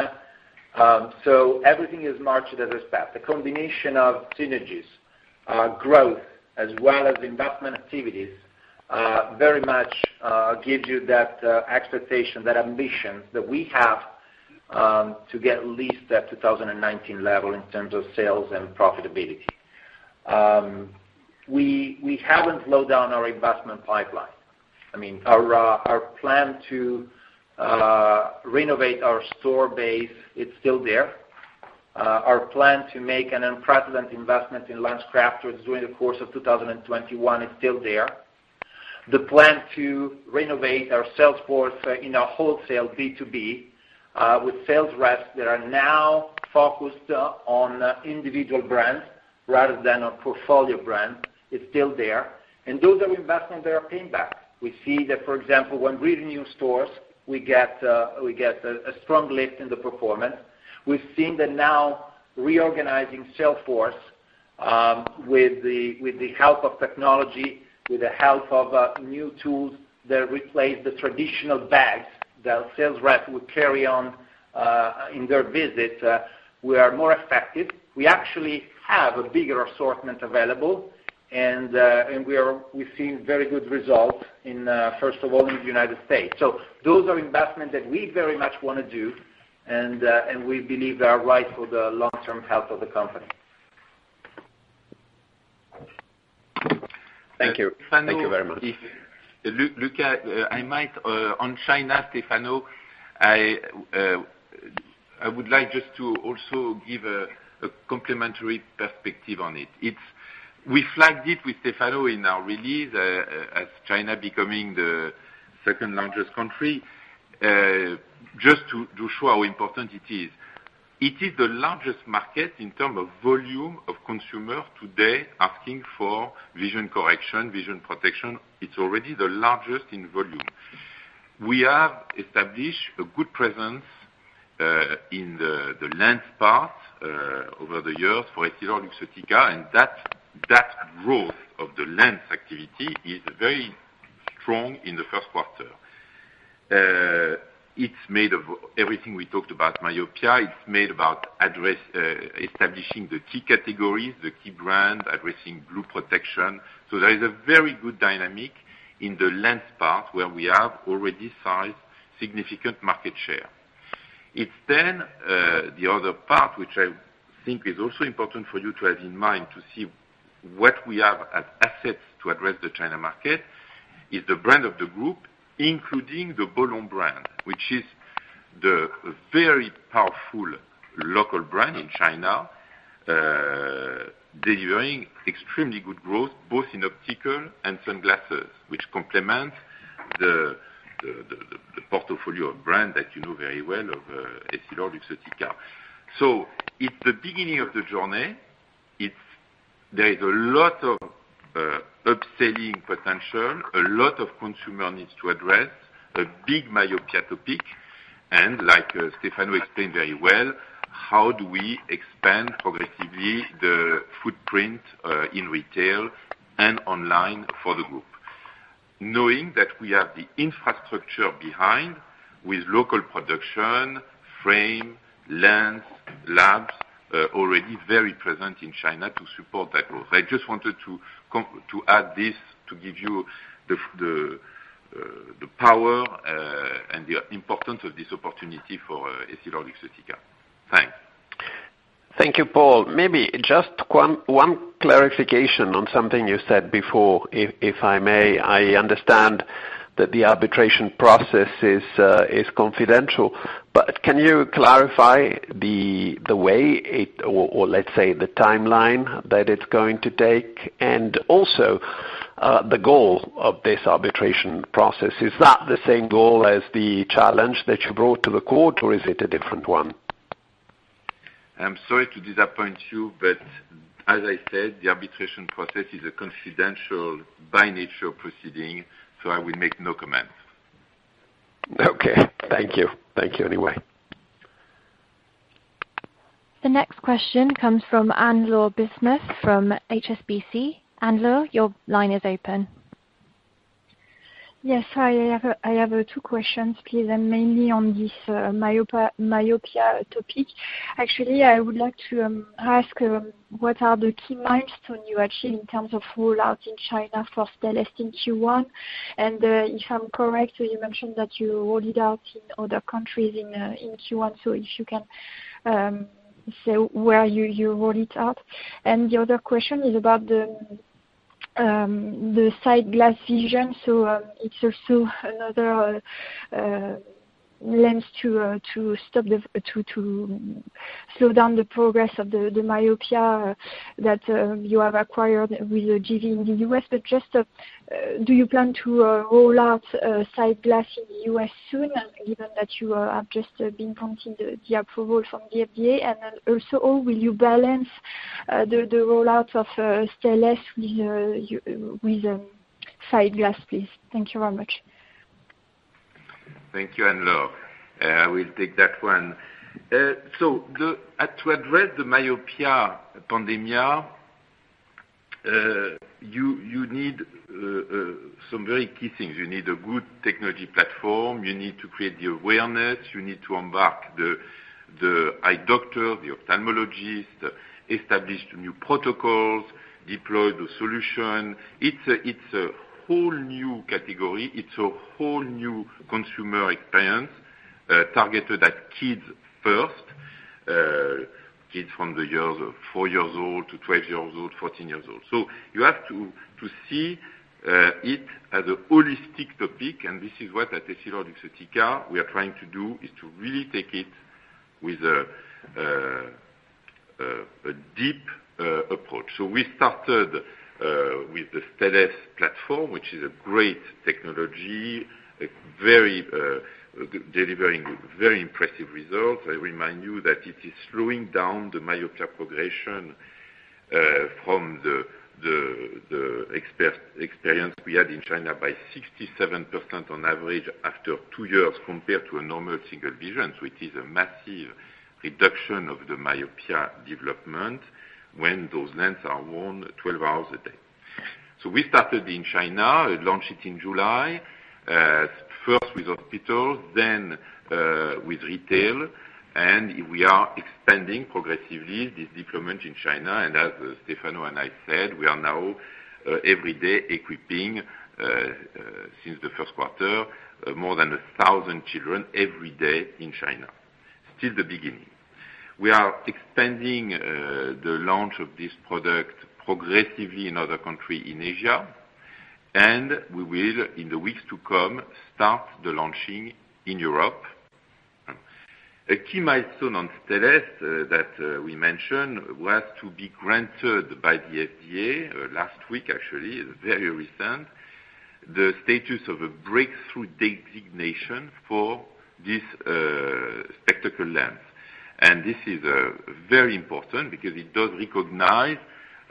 Everything is marching in that respect. The combination of synergies, growth as well as investment activities, very much gives you that expectation, that ambition that we have to get at least that 2019 level in terms of sales and profitability. We haven't slowed down our investment pipeline. Our plan to renovate our store base, it's still there. Our plan to make an unprecedented investment in LensCrafters during the course of 2021 is still there. The plan to renovate our sales force in our wholesale B2B, with sales reps that are now focused on individual brands rather than on portfolio brands, is still there. Those are investments that are paying back. We see that, for example, when we renew stores, we get a strong lift in the performance. We've seen that now reorganizing sales force with the help of technology, with the help of new tools that replace the traditional bags that sales reps would carry on in their visit, we are more effective. We actually have a bigger assortment available, and we're seeing very good results in, first of all, in the United States. Those are investments that we very much want to do, and we believe they are right for the long-term health of the company. Thank you. Thank you very much. Luca, on China, Stefano, I would like just to also give a complimentary perspective on it. We flagged it with Stefano in our release, as China becoming the second largest country, just to show how important it is. It is the largest market in term of volume of consumer today asking for vision correction, vision protection. It's already the largest in volume. We have established a good presence in the lens part, over the years for EssilorLuxottica, and that growth of the lens activity is very strong in the first quarter. It's made of everything we talked about myopia, it's made about establishing the key categories, the key brand, addressing blue protection. There is a very good dynamic in the lens part where we have already sized significant market share. It's the other part, which I think is also important for you to have in mind to see what we have as assets to address the China market, is the brand of the group, including the Bolon brand, which is the very powerful local brand in China, delivering extremely good growth, both in optical and sunglasses, which complements the portfolio of brand that you know very well of EssilorLuxottica. It's the beginning of the journey. There is a lot of upselling potential, a lot of consumer needs to address, a big myopia topic, and like Stefano explained very well, how do we expand progressively the footprint in retail and online for the group. Knowing that we have the infrastructure behind with local production, frame, lens, labs, already very present in China to support that growth. I just wanted to add this to give you the power, and the importance of this opportunity for EssilorLuxottica. Thanks. Thank you, Paul. Maybe just one clarification on something you said before, if I may. I understand that the arbitration process is confidential, but can you clarify the way, or let's say the timeline that it's going to take, and also, the goal of this arbitration process? Is that the same goal as the challenge that you brought to the court, or is it a different one? I'm sorry to disappoint you, but as I said, the arbitration process is a confidential, by nature, proceeding. I will make no comments. Okay. Thank you. Thank you anyway. The next question comes from Anne-Laure Bismuth from HSBC. Anne-Laure, your line is open. Yes. I have two questions, please, and mainly on this myopia topic. Actually, I would like to ask what are the key milestones you achieve in terms of rollout in China for Stellest in Q1? If I'm correct, you mentioned that you rolled it out in other countries in Q1, so if you can say where you rolled it out. The other question is about the SightGlass Vision. It's also another lens to slow down the progress of the myopia that you have acquired with JV in the U.S. Just, do you plan to roll out SightGlass in the U.S. soon, given that you have just been granted the approval from the FDA? Then also, will you balance the rollout of Stellest with SightGlass, please? Thank you very much. Thank you, Anne-Laure. I will take that one. To address the myopia pandemia, you need some very key things. You need a good technology platform. You need to create the awareness. You need to embark the eye doctor, the ophthalmologist, establish the new protocols, deploy the solution. It's a whole new category. It's a whole new consumer experience. Targeted at kids first, kids from the years of four years old to 12 years old, 14 years old. You have to see it as a holistic topic, and this is what, at EssilorLuxottica, we are trying to do, is to really take it with a deep approach. We started with the Stellest platform, which is a great technology, delivering very impressive results. I remind you that it is slowing down the myopia progression from the experience we had in China by 67% on average after two years, compared to a normal single vision. It is a massive reduction of the myopia development when those lenses are worn 12 hours a day. We started in China, it launched it in July, first with hospitals, then with retail, we are expanding progressively this deployment in China. As Stefano and I said, we are now, every day, equipping, since the first quarter, more than 1,000 children every day in China. Still the beginning. We are expanding the launch of this product progressively in other country in Asia, we will, in the weeks to come, start the launching in Europe. A key milestone on Stellest that we mentioned, was to be granted by the FDA, last week actually, very recent, the status of a breakthrough designation for this spectacle lens. This is very important because it does recognize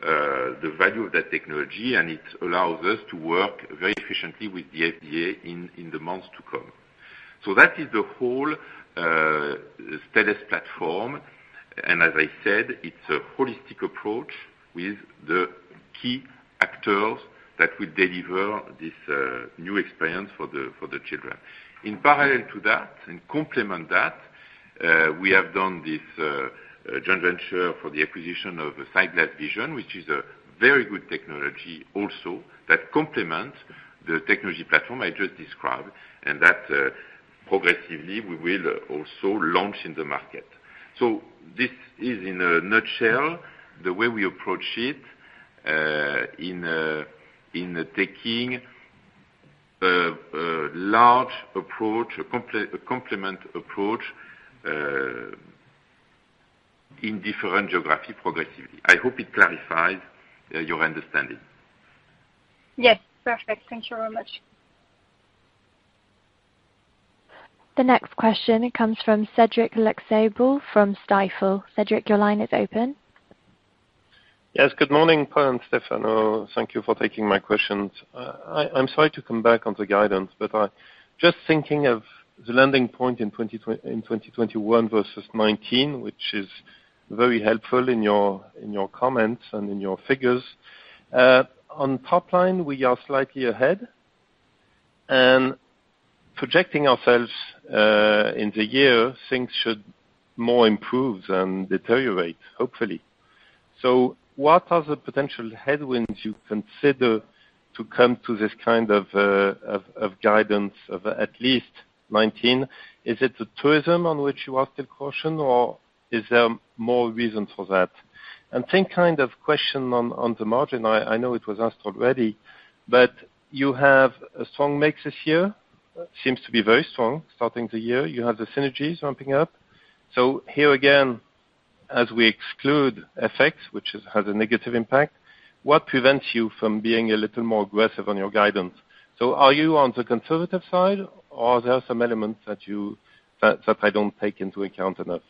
the value of that technology, and it allows us to work very efficiently with the FDA in the months to come. That is the whole Stellest platform, and as I said, it's a holistic approach with the key actors that will deliver this new experience for the children. In parallel to that and complement that, we have done this joint venture for the acquisition of the SightGlass Vision, which is a very good technology also that complements the technology platform I just described, and that progressively, we will also launch in the market. This is in a nutshell the way we approach it, in taking a large approach, a complement approach, in different geography progressively. I hope it clarifies your understanding. Yes, perfect. Thank you very much. The next question comes from Cédric Lecasble from Stifel. Cédric, your line is open. Yes, good morning, Paul and Stefano. Thank you for taking my questions. I'm sorry to come back on the guidance, just thinking of the landing point in 2021 versus 2019, which is very helpful in your comments and in your figures. On top line, we are slightly ahead, projecting ourselves in the year, things should more improve than deteriorate, hopefully. What are the potential headwinds you consider to come to this kind of guidance of at least 2019? Is it the tourism on which you are still caution, is there more reason for that? Same kind of question on the margin. I know it was asked already, you have a strong mix this year. Seems to be very strong starting the year. You have the synergies ramping up. Here again, as we exclude FX, which has a negative impact, what prevents you from being a little more aggressive on your guidance? Are you on the conservative side, or are there some elements that I don't take into account enough?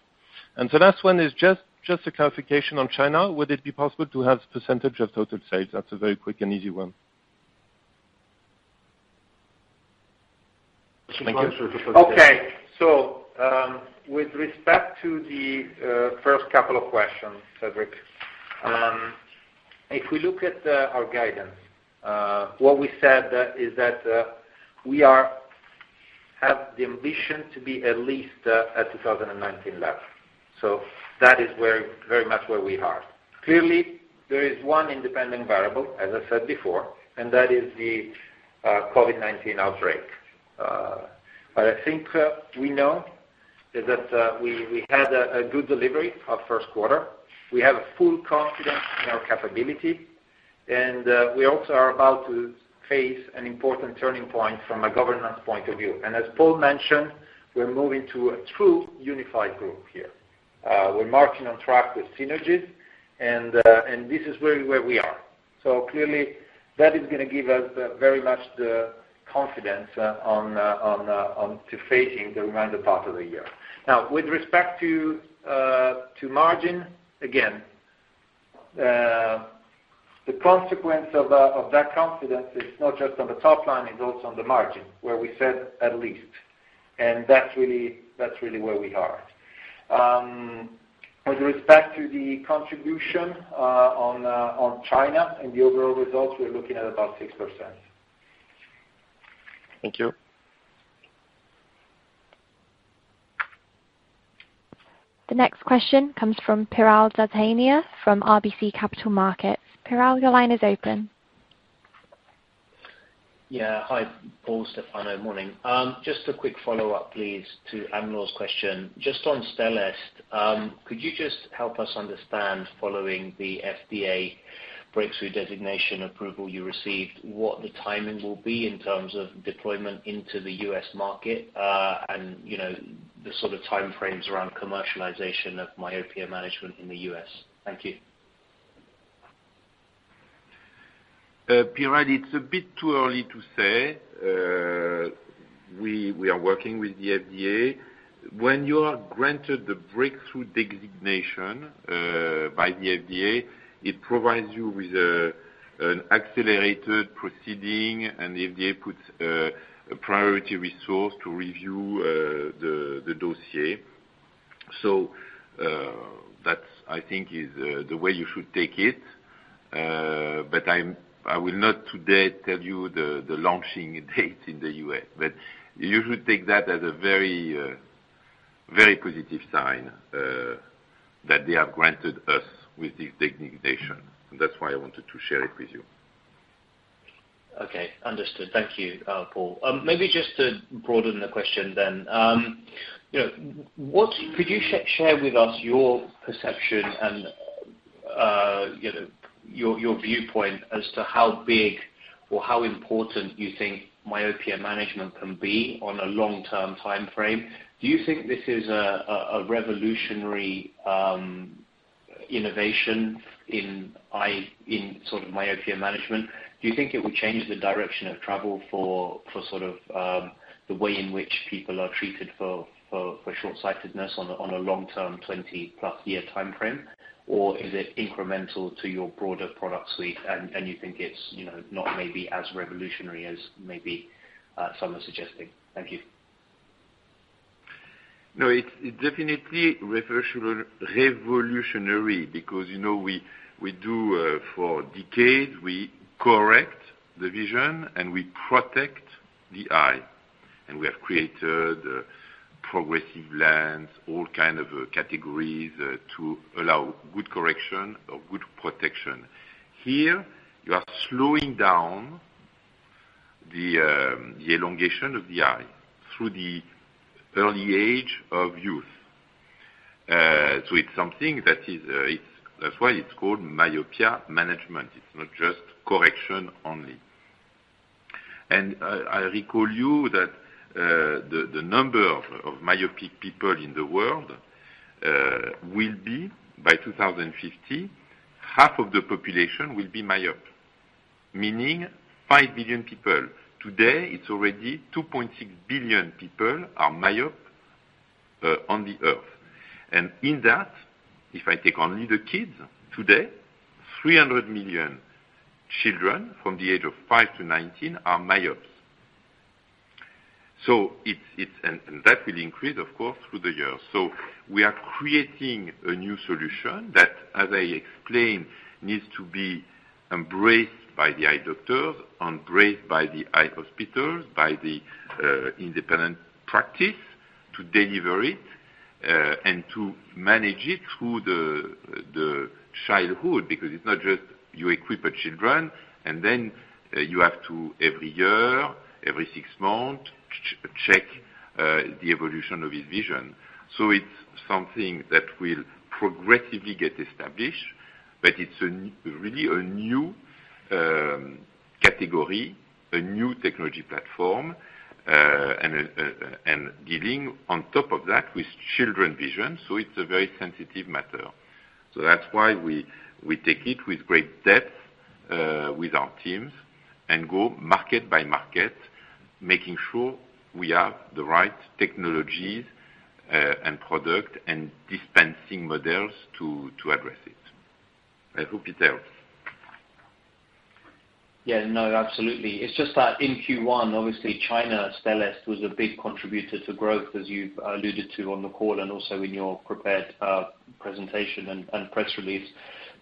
The last one is just a clarification on China. Would it be possible to have % of total sales? That's a very quick and easy one. Thank you. Okay, with respect to the first couple of questions, Cédric. If we look at our guidance, what we said is that we have the ambition to be at least at 2019 level. That is very much where we are. Clearly, there is one independent variable, as I said before, and that is the COVID-19 outbreak. I think we know is that we had a good delivery of first quarter. We have full confidence in our capability, and we also are about to face an important turning point from a governance point of view. As Paul mentioned, we're moving to a true unified group here. We're marching on track with synergies, and this is where we are. Clearly, that is going to give us very much the confidence on to facing the remaining part of the year. With respect to margin, again, the consequence of that confidence is not just on the top line, it's also on the margin, where we said at least. That's really where we are. With respect to the contribution on China and the overall results, we're looking at about 6%. Thank you. The next question comes from Piral Dadhania from RBC Capital Markets. Piral, your line is open. Hi, Paul, Stefano. Morning. Just a quick follow-up, please, to Anne-Laure's question. Just on Stellest, could you just help us understand, following the FDA breakthrough designation approval you received, what the timing will be in terms of deployment into the U.S. market, and the sort of time frames around commercialization of myopia management in the U.S.? Thank you. Piral, it's a bit too early to say. We are working with the FDA. When you are granted the breakthrough designation by the FDA, it provides you with an accelerated proceeding, and the FDA puts a priority resource to review the dossier. That, I think, is the way you should take it. I will not today tell you the launching date in the U.S. You should take that as a very positive sign that they have granted us with this designation. That's why I wanted to share it with you. Understood. Thank you, Paul. Just to broaden the question then. Could you share with us your perception and your viewpoint as to how big or how important you think myopia management can be on a long-term timeframe? Do you think this is a revolutionary innovation in myopia management? Do you think it will change the direction of travel for the way in which people are treated for short-sightedness on a long-term, 20+ year timeframe? Is it incremental to your broader product suite, and you think it's not maybe as revolutionary as maybe some are suggesting? Thank you. No, it's definitely revolutionary because for decades, we correct the vision, we protect the eye. We have created progressive lens, all kind of categories to allow good correction or good protection. Here, you are slowing down the elongation of the eye through the early age of youth. That's why it's called myopia management. It's not just correction only. I recall you that the number of myopic people in the world will be, by 2050, half of the population will be myope, meaning 5 billion people. Today, it's already 2.6 billion people are myope on the Earth. In that, if I take only the kids today, 300 million children from the age of five to 19 are myopes. That will increase, of course, through the years. We are creating a new solution that, as I explained, needs to be embraced by the eye doctors, embraced by the eye hospitals, by the independent practice to deliver it, and to manage it through the childhood. Because it's not just you equip a children, and then you have to, every year, every six months, check the evolution of his vision. It's something that will progressively get established, but it's really a new category, a new technology platform, and dealing on top of that with children vision. It's a very sensitive matter. That's why we take it with great depth with our teams and go market by market, making sure we have the right technologies, and product, and dispensing models to address it. I hope it helps. Yeah. No, absolutely. It's just that in Q1, obviously, China, Stellest was a big contributor to growth, as you've alluded to on the call and also in your prepared presentation and press release.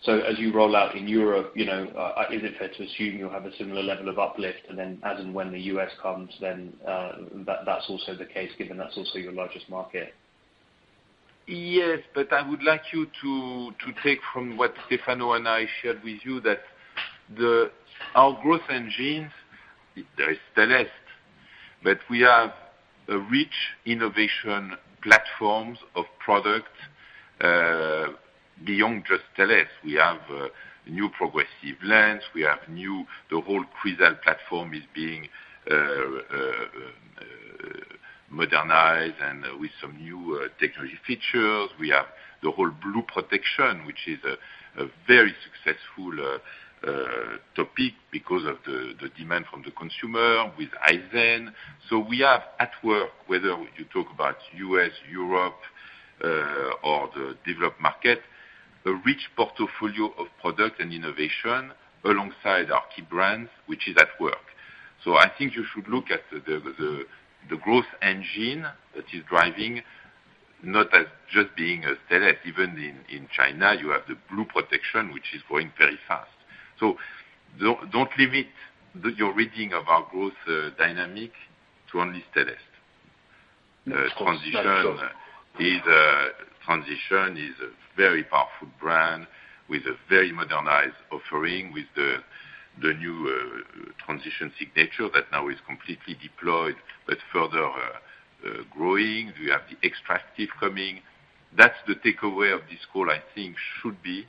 As you roll out in Europe, is it fair to assume you'll have a similar level of uplift, and then as and when the U.S. comes, then that's also the case, given that's also your largest market? Yes, I would like you to take from what Stefano and I shared with you that our growth engines, there is Stellest, but we have a rich innovation platforms of product beyond just Stellest. We have new progressive lens. The whole Crizal platform is being modernized and with some new technology features. We have the whole Blue Protection, which is a very successful topic because of the demand from the consumer with Eyezen. We have at work, whether you talk about U.S., Europe, or the developed market, a rich portfolio of product and innovation alongside our key brands, which is at work. I think you should look at the growth engine that is driving, not as just being a Stellest. Even in China, you have the Blue Protection, which is growing very fast. Don't limit your reading of our growth dynamic to only Stellest. Transitions is a very powerful brand with a very modernized offering, with the new Transitions Signature that now is completely deployed but further growing. We have the Transitions XTRActive coming. That's the takeaway of this call, I think should be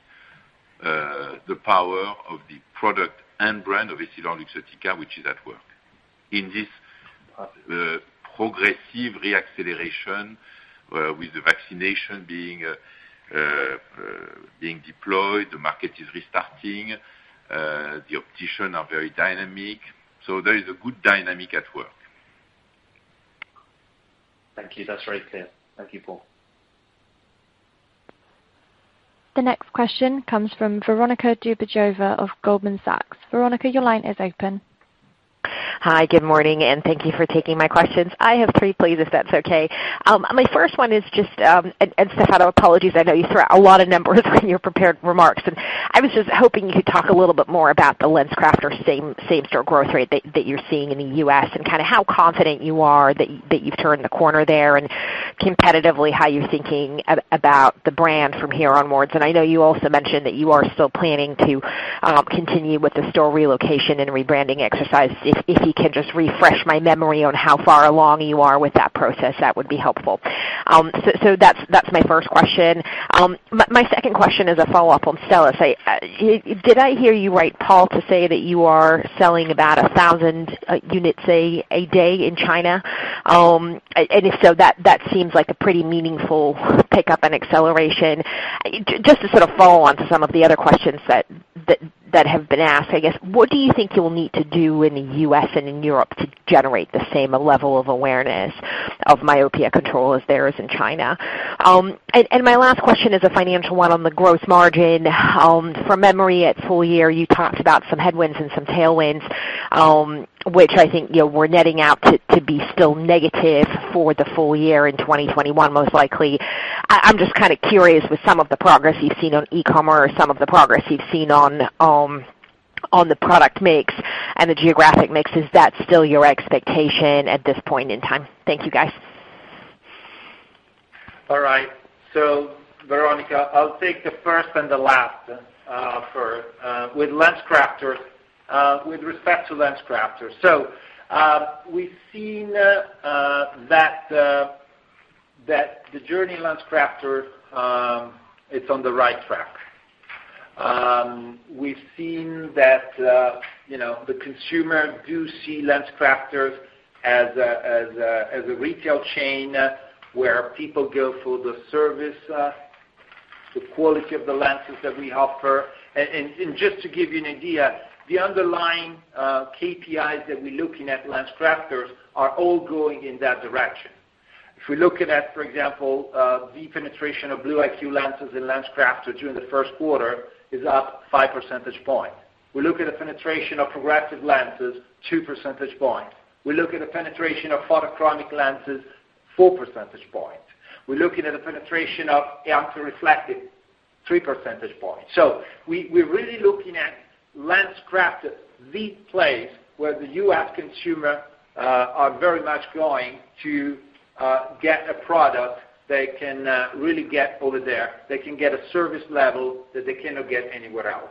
the power of the product and brand of EssilorLuxottica, which is at work. In this progressive re-acceleration, with the vaccination being deployed, the market is restarting, the optician are very dynamic. There is a good dynamic at work. Thank you. That's very clear. Thank you, Paul. The next question comes from Veronika Dubajova of Goldman Sachs. Veronika, your line is open. Hi, good morning. Thank you for taking my questions. I have three, please, if that's okay. My first one is just, Stefano, apologies, I know you threw out a lot of numbers in your prepared remarks, and I was just hoping you could talk a little bit more about the LensCrafters same-store growth rate that you're seeing in the U.S., and kind of how confident you are that you've turned the corner there, and competitively, how you're thinking about the brand from here onwards. I know you also mentioned that you are still planning to continue with the store relocation and rebranding exercise. If you could just refresh my memory on how far along you are with that process, that would be helpful. That's my first question. My second question is a follow-up on Stellest. Did I hear you right, Paul, to say that you are selling about 1,000 units a day in China? If so, that seems like a pretty meaningful pickup and acceleration. Just to sort of follow on to some of the other questions that have been asked, I guess, what do you think you'll need to do in the U.S. and in Europe to generate the same level of awareness of myopia control as there is in China? My last question is a financial one on the gross margin. From memory at full year, you talked about some headwinds and some tailwinds, which I think were netting out to be still negative for the full year in 2021, most likely. I'm just kind of curious with some of the progress you've seen on e-commerce or some of the progress you've seen on the product mix and the geographic mix. Is that still your expectation at this point in time? Thank you, guys. All right. Veronika, I'll take the first and the last. With respect to LensCrafters. We've seen that the journey LensCrafters, it's on the right track. We've seen that the consumer do see LensCrafters as a retail chain where people go for the service, the quality of the lenses that we offer. Just to give you an idea, the underlying KPIs that we're looking at LensCrafters are all going in that direction. If we're looking at, for example, the penetration of Blue IQ lenses in LensCrafters during the first quarter is up five percentage points. We look at the penetration of progressive lenses, two percentage points. We look at the penetration of photochromic lenses, four percentage points. We're looking at the penetration of anti-reflective, three percentage points. We're really looking at LensCrafters, the place where the U.S. consumer are very much going to get a product they can really get over there. They can get a service level that they cannot get anywhere else.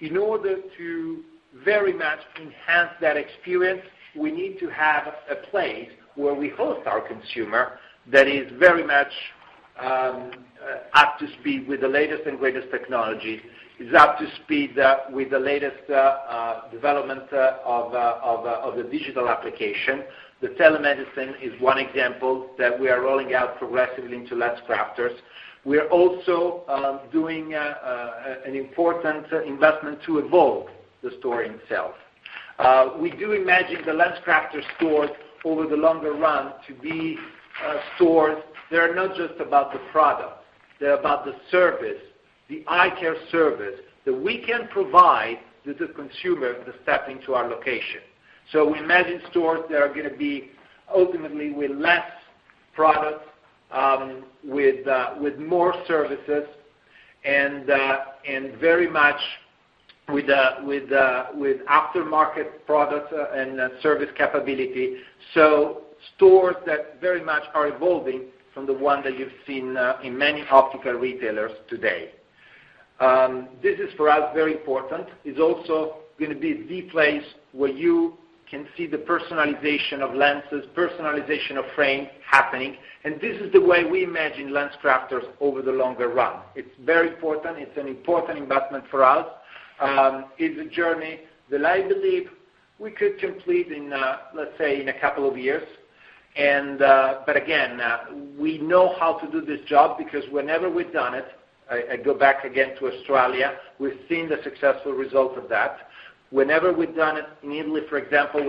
In order to very much enhance that experience, we need to have a place where we host our consumer that is very much up to speed with the latest and greatest technology, is up to speed with the latest development of the digital application. The telemedicine is one example that we are rolling out progressively into LensCrafters. We are also doing an important investment to evolve the store itself. We do imagine the LensCrafters stores over the longer run to be stores that are not just about the product. They're about the service, the eye care service that we can provide to the consumer that step into our location. We imagine stores that are going to be ultimately with less product, with more services, and very much with aftermarket product and service capability. Stores that very much are evolving from the one that you've seen in many optical retailers today. This is for us very important. It's also going to be the place where you can see the personalization of lenses, personalization of frame happening. This is the way we imagine LensCrafters over the longer run. It's very important. It's an important investment for us. It's a journey that I believe we could complete in, let's say, in a couple of years. Again, we know how to do this job because whenever we've done it, I go back again to Australia, we've seen the successful result of that. Whenever we've done it in Italy, for example,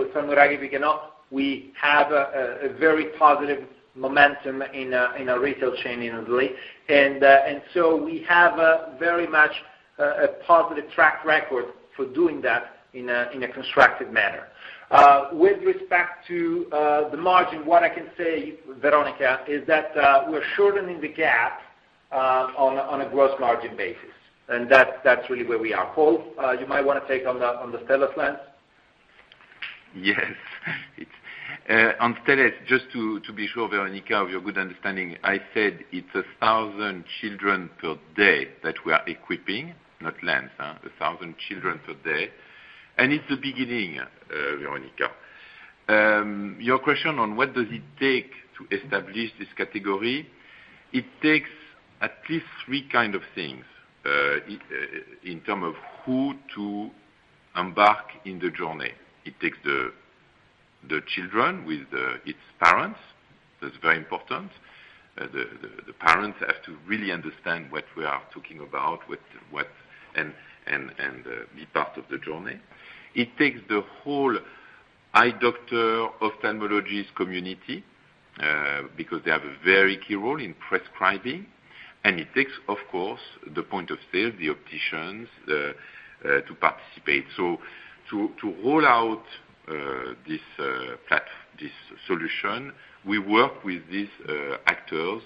we have a very positive momentum in a retail chain in Italy. We have a very much a positive track record for doing that in a constructive manner. With respect to the margin, what I can say, Veronika, is that we're shortening the gap on a gross margin basis. That's really where we are. Paul, you might want to take on the Stellest lens. Yes. On Stellest, just to be sure, Veronika, of your good understanding, I said it's 1,000 children per day that we are equipping, not lens. 1,000 children per day. It's the beginning, Veronika. Your question on what does it take to establish this category, it takes at least three kind of things, in term of who to embark on the journey. It takes the children with its parents. That's very important. The parents have to really understand what we are talking about, and be part of the journey. It takes the whole eye doctor, ophthalmologist community, because they have a very key role in prescribing. It takes, of course, the point of sale, the opticians, to participate. To roll out this solution, we work with these actors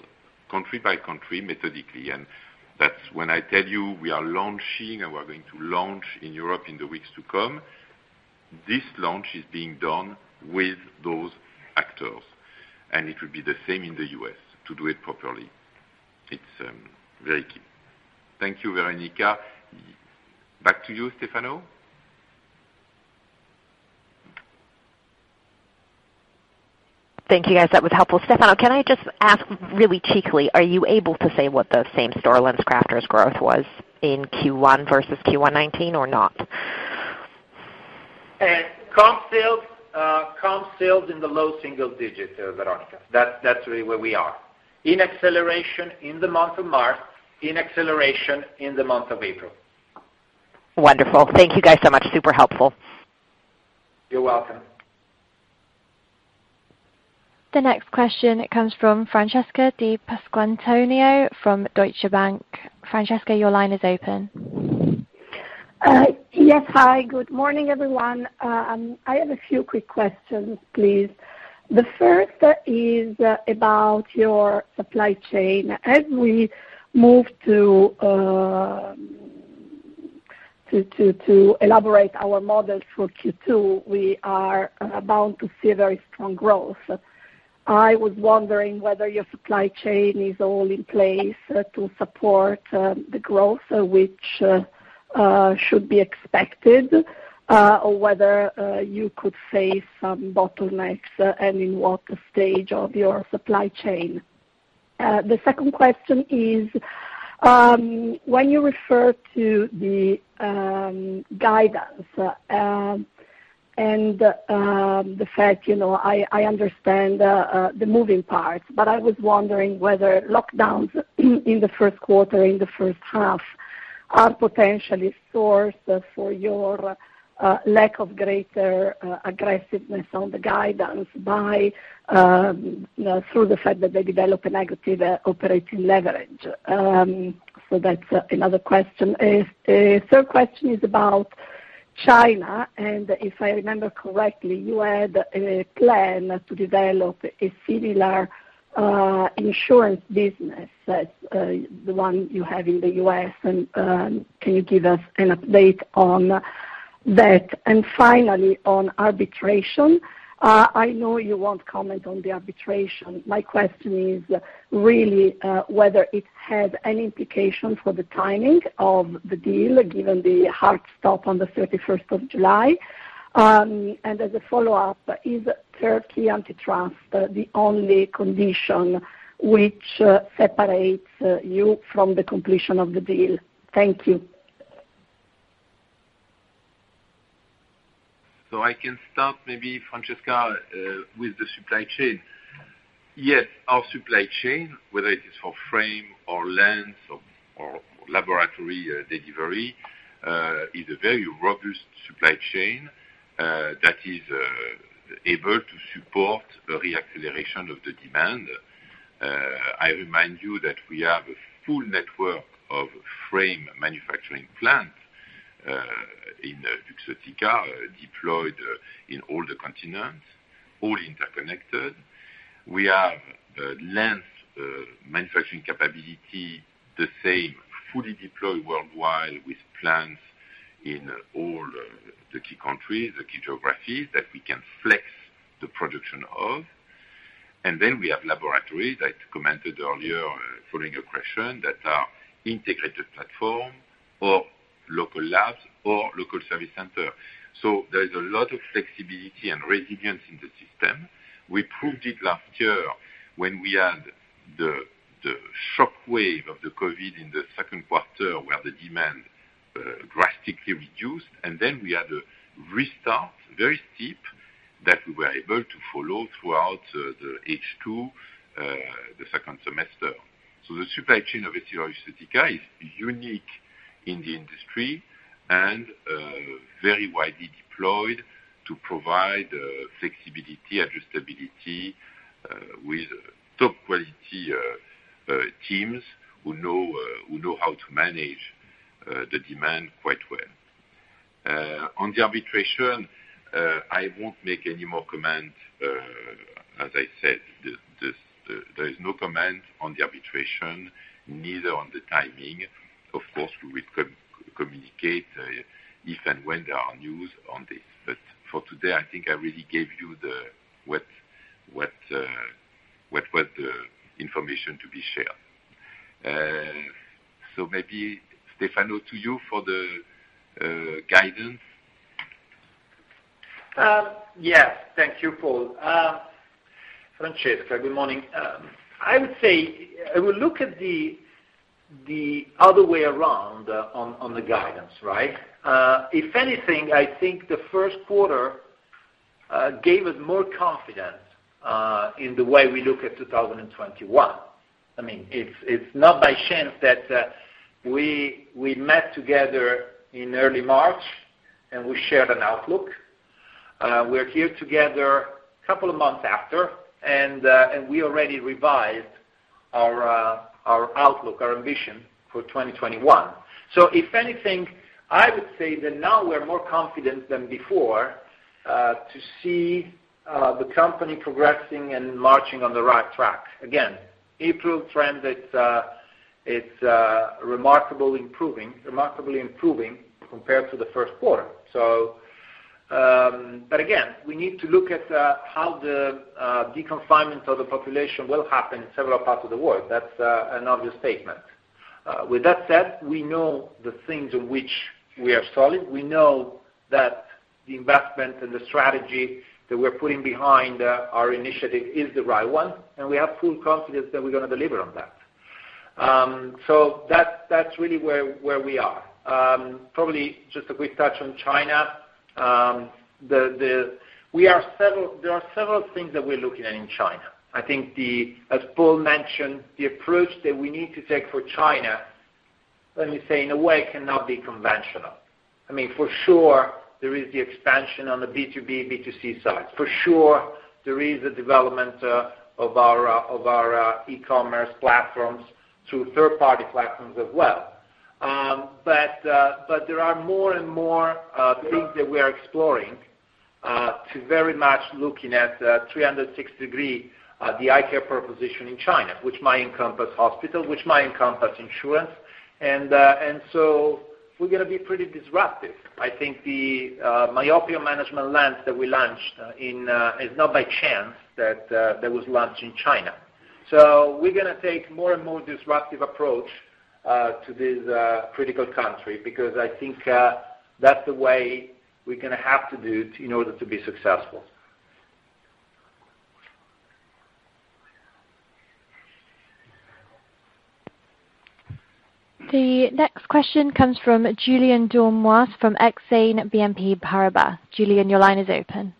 country by country, methodically. That's when I tell you we are launching and we're going to launch in Europe in the weeks to come. This launch is being done with those actors. It will be the same in the U.S. to do it properly. It's very key. Thank you, Veronika. Back to you, Stefano. Thank you, guys. That was helpful. Stefano, can I just ask really cheekily, are you able to say what the same-store LensCrafters growth was in Q1 versus Q1 2019 or not? Comp sales in the low single digits, Veronika. That's really where we are. In acceleration in the month of March, in acceleration in the month of April. Wonderful. Thank you guys so much. Super helpful. You're welcome. The next question comes from Francesca Di Pasquantonio from Deutsche Bank. Francesca, your line is open. Yes. Hi, good morning, everyone. I have a few quick questions, please. The first is about your supply chain. As we move to elaborate our model for Q2, we are bound to see very strong growth. I was wondering whether your supply chain is all in place to support the growth which should be expected, or whether you could face some bottlenecks and in what stage of your supply chain? The second question is, when you refer to the guidance, and the fact, I understand the moving parts, but I was wondering whether lockdowns in the first quarter, in the first half, are potentially source for your lack of greater aggressiveness on the guidance by through the fact that they develop a negative operating leverage. That's another question. A third question is about China, and if I remember correctly, you had a plan to develop a similar insurance business as the one you have in the U.S. Can you give us an update on that? Finally, on arbitration. I know you won't comment on the arbitration. My question is really whether it had any implication for the timing of the deal, given the hard stop on the 31st of July. As a follow-up, is Turkey antitrust the only condition which separates you from the completion of the deal? Thank you. I can start maybe, Francesca, with the supply chain. Yes, our supply chain, whether it is for frame or lens or laboratory delivery, is a very robust supply chain, that is able to support the re-acceleration of the demand. I remind you that we have a full network of frame manufacturing plants in Luxottica deployed in all the continents, all interconnected. We have lens manufacturing capability, the same, fully deployed worldwide with plants in all the key countries, the key geographies that we can flex the production of. We have laboratory that I commented earlier following a question that are integrated platform or local labs or local service center. There is a lot of flexibility and resilience in the system. We proved it last year when we had the shockwave of the COVID-19 in the second quarter, where the demand drastically reduced, and then we had a restart, very steep, that we were able to follow throughout the H2, the second semester. The supply chain of EssilorLuxottica is unique in the industry and very widely deployed to provide flexibility, adjustability, with top quality teams who know how to manage the demand quite well. On the arbitration, I won't make any more comment. As I said, there is no comment on the arbitration, neither on the timing. Of course, we will communicate if and when there are news on this. For today, I think I really gave you what information to be shared. Maybe Stefano to you for the guidance. Yes, thank you, Paul. Francesca, good morning. I would look at the other way around on the guidance, right? Anything, I think the first quarter gave us more confidence, in the way we look at 2021. It's not by chance that we met together in early March, we shared an outlook. We're here together a couple of months after, we already revised our outlook, our ambition for 2021. If anything, I would say that now we're more confident than before, to see the company progressing and marching on the right track. Again, April trend it's remarkably improving compared to the first quarter. Again, we need to look at how the deconfinement of the population will happen in several parts of the world. That's an obvious statement. With that said, we know the things in which we are solid. We know that the investment and the strategy that we're putting behind our initiative is the right one, and we have full confidence that we're going to deliver on that. That's really where we are. Probably just a quick touch on China. There are several things that we're looking at in China. I think, as Paul mentioned, the approach that we need to take for China, let me say, in a way, cannot be conventional. For sure, there is the expansion on the B2B, B2C side. For sure, there is a development of our e-commerce platforms through third-party platforms as well. There are more and more things that we are exploring, to very much looking at 360 degree, the eye care proposition in China, which might encompass hospital, which might encompass insurance. We're going to be pretty disruptive. I think the myopia management lens that we launched, it's not by chance that was launched in China. We're going to take more and more disruptive approach to this critical country, because I think that's the way we're going to have to do in order to be successful. The next question comes from Julien Dormois from Exane BNP Paribas. Julien, your line is open.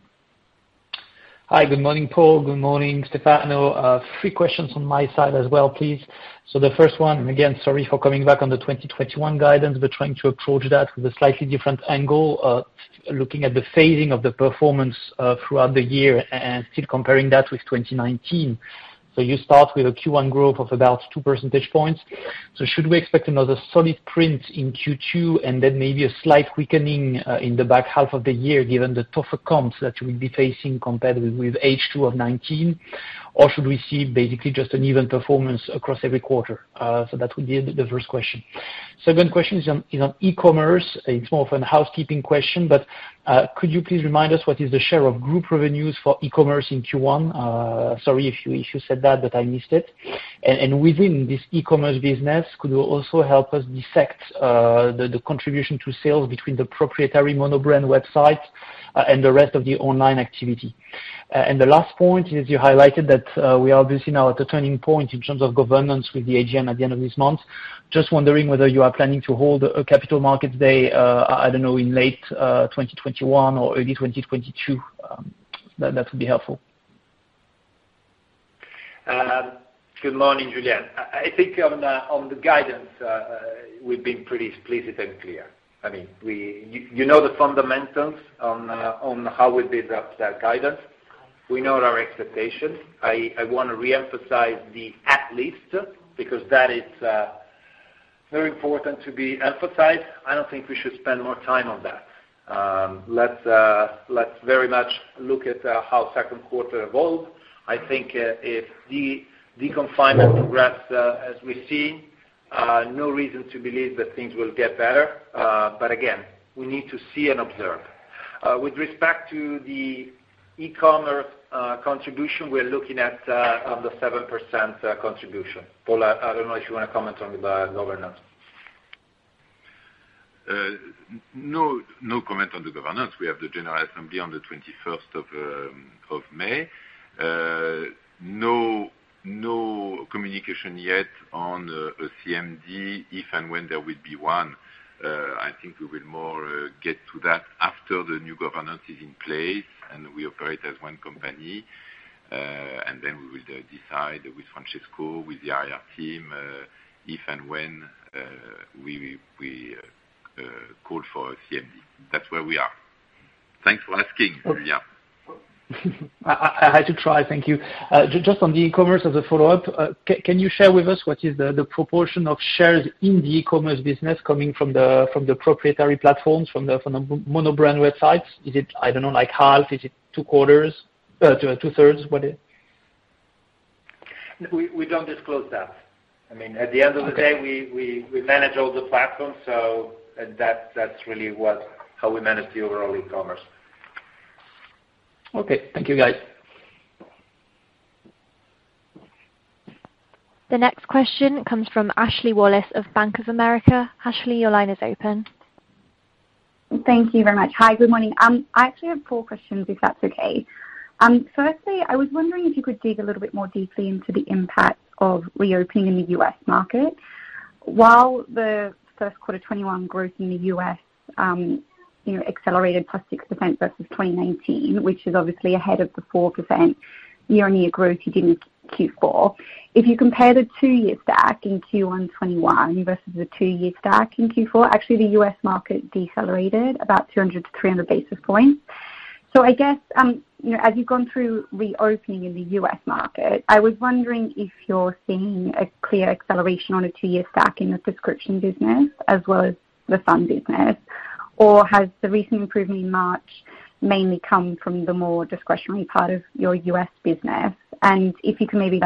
Hi. Good morning, Paul. Good morning, Stefano. Three questions on my side as well, please. The first one, again, sorry for coming back on the 2021 guidance, but trying to approach that with a slightly different angle, looking at the phasing of the performance, throughout the year and still comparing that with 2019. You start with a Q1 growth of about two percentage points. Should we expect another solid print in Q2 and then maybe a slight quickening, in the back half of the year, given the tougher comps that you will be facing compared with H2 of 2019? Or should we see basically just an even performance across every quarter? That would be the first question. Second question is on e-commerce. It's more of a housekeeping question, but could you please remind us what is the share of group revenues for e-commerce in Q1? Sorry if you said that, I missed it. Within this e-commerce business, could you also help us dissect the contribution to sales between the proprietary monobrand website and the rest of the online activity? The last point is you highlighted that we are obviously now at a turning point in terms of governance with the AGM at the end of this month. Just wondering whether you are planning to hold a Capital Markets Day, I don't know, in late 2021 or early 2022. That would be helpful. Good morning, Julien. I think on the guidance, we've been pretty explicit and clear. You know the fundamentals on how we built that guidance. We know our expectations. I want to reemphasize the "at least," because that is very important to be emphasized. I don't think we should spend more time on that. Let's very much look at how second quarter evolved. I think if the confinement progress as we see, no reason to believe that things will get better. Again, we need to see and observe. With respect to the e-commerce contribution, we're looking at under 7% contribution. Paul, I don't know if you want to comment on the governance. No comment on the governance. We have the general assembly on the 21st of May. No communication yet on a CMD, if and when there will be one. I think we will more get to that after the new governance is in place and we operate as one company. We will decide with Francesco, with the IR team, if and when we call for a CMD. That's where we are. Thanks for asking, Julien. I had to try. Thank you. Just on the e-commerce as a follow-up, can you share with us what is the proportion of shares in the e-commerce business coming from the proprietary platforms, from the mono-brand websites? Is it, I don't know, like half? Is it two-thirds? What is it? We don't disclose that. Okay We manage all the platforms, and that's really how we manage the overall e-commerce. Okay. Thank you, guys. The next question comes from Ashley Wallace of Bank of America. Ashley, your line is open. Thank you very much. Hi, good morning. I actually have four questions, if that's okay. Firstly, I was wondering if you could dig a little bit more deeply into the impact of reopening in the U.S. market. While the first quarter 2021 growth in the U.S. accelerated +6% versus 2019, which is obviously ahead of the 4% year-on-year growth you did in Q4. If you compare the two-year stack in Q1 2021 versus the two-year stack in Q4, actually the U.S. market decelerated about 200-300 basis points. I guess, as you've gone through reopening in the U.S. market, I was wondering if you're seeing a clear acceleration on a two-year stack in the prescription business as well as the sun business, or has the recent improvement in March mainly come from the more discretionary part of your U.S. business? If you can maybe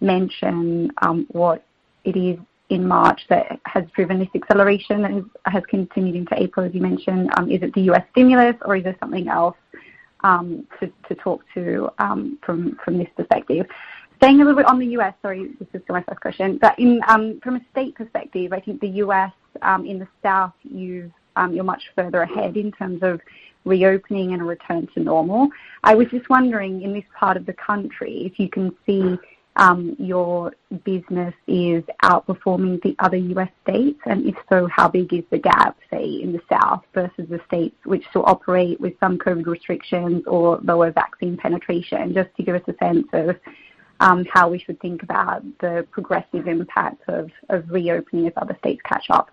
mention what it is in March that has driven this acceleration and has continued into April, as you mentioned. Is it the U.S. stimulus or is there something else to talk to from this perspective? Staying a little bit on the U.S., sorry, this is my first question, but from a state perspective, I think the U.S., in the South, you're much further ahead in terms of reopening and a return to normal. I was just wondering, in this part of the country, if you can see your business is outperforming the other U.S. states. If so, how big is the gap, say, in the South versus the states which still operate with some COVID-19 restrictions or lower vaccine penetration, just to give us a sense of how we should think about the progressive impact of reopening as other states catch up.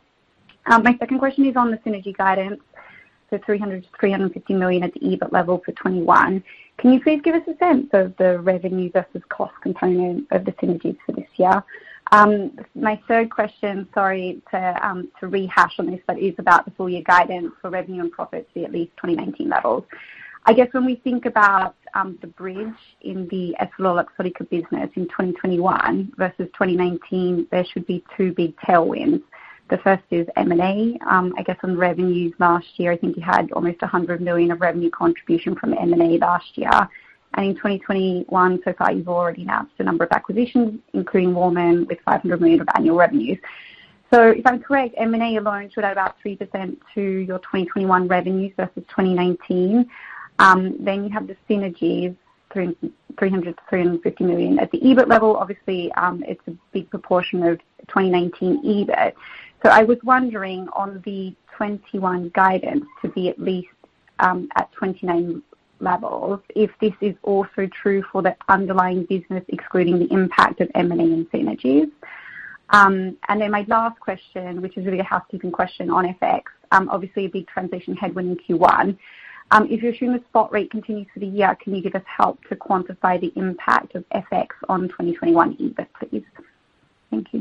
My second question is on the synergy guidance for 300 million-350 million at the EBIT level for 2021. Can you please give us a sense of the revenue versus cost component of the synergies for this year? My third question, sorry to rehash on this, is about the full year guidance for revenue and profits be at least 2019 levels. I guess when we think about the bridge in the EssilorLuxottica business in 2021 versus 2019, there should be two big tailwinds. The first is M&A. I guess on revenues last year, I think you had almost 100 million of revenue contribution from M&A last year. In 2021, so far, you've already announced a number of acquisitions, including Walman with 500 million of annual revenue. If I'm correct, M&A alone should add about 3% to your 2021 revenues versus 2019. You have the synergies, 300 million-350 million. At the EBIT level, obviously, it's a big proportion of 2019 EBIT. I was wondering on the 2021 guidance to be at least at 2019 levels, if this is also true for the underlying business excluding the impact of M&A and synergies. My last question, which is really a housekeeping question on FX. Obviously a big transition headwind in Q1. If you're assuming the spot rate continues for the year, can you give us help to quantify the impact of FX on 2021 EBIT, please?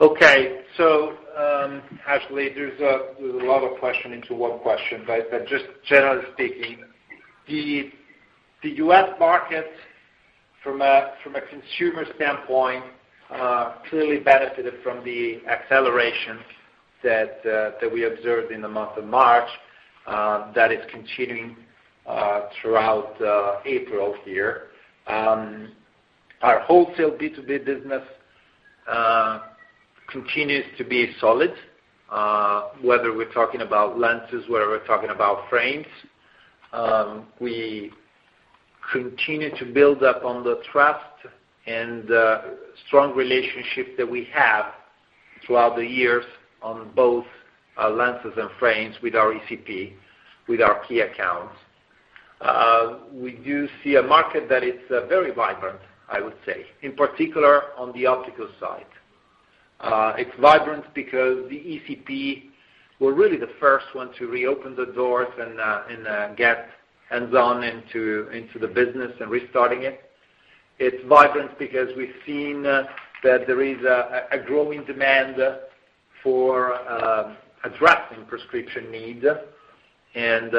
Thank you. Okay. Ashley, there's a lot of question into one question. Just generally speaking, the U.S. market from a consumer standpoint, clearly benefited from the acceleration that we observed in the month of March, that is continuing throughout April here. Our wholesale B2B business continues to be solid, whether we're talking about lenses, whether we're talking about frames. We continue to build up on the trust and the strong relationship that we have throughout the years on both our lenses and frames with our ECP, with our key accounts. We do see a market that is very vibrant, I would say, in particular, on the optical side. It's vibrant because the ECP were really the first ones to reopen the doors and get hands-on into the business and restarting it. It's vibrant because we've seen that there is a growing demand for addressing prescription need, and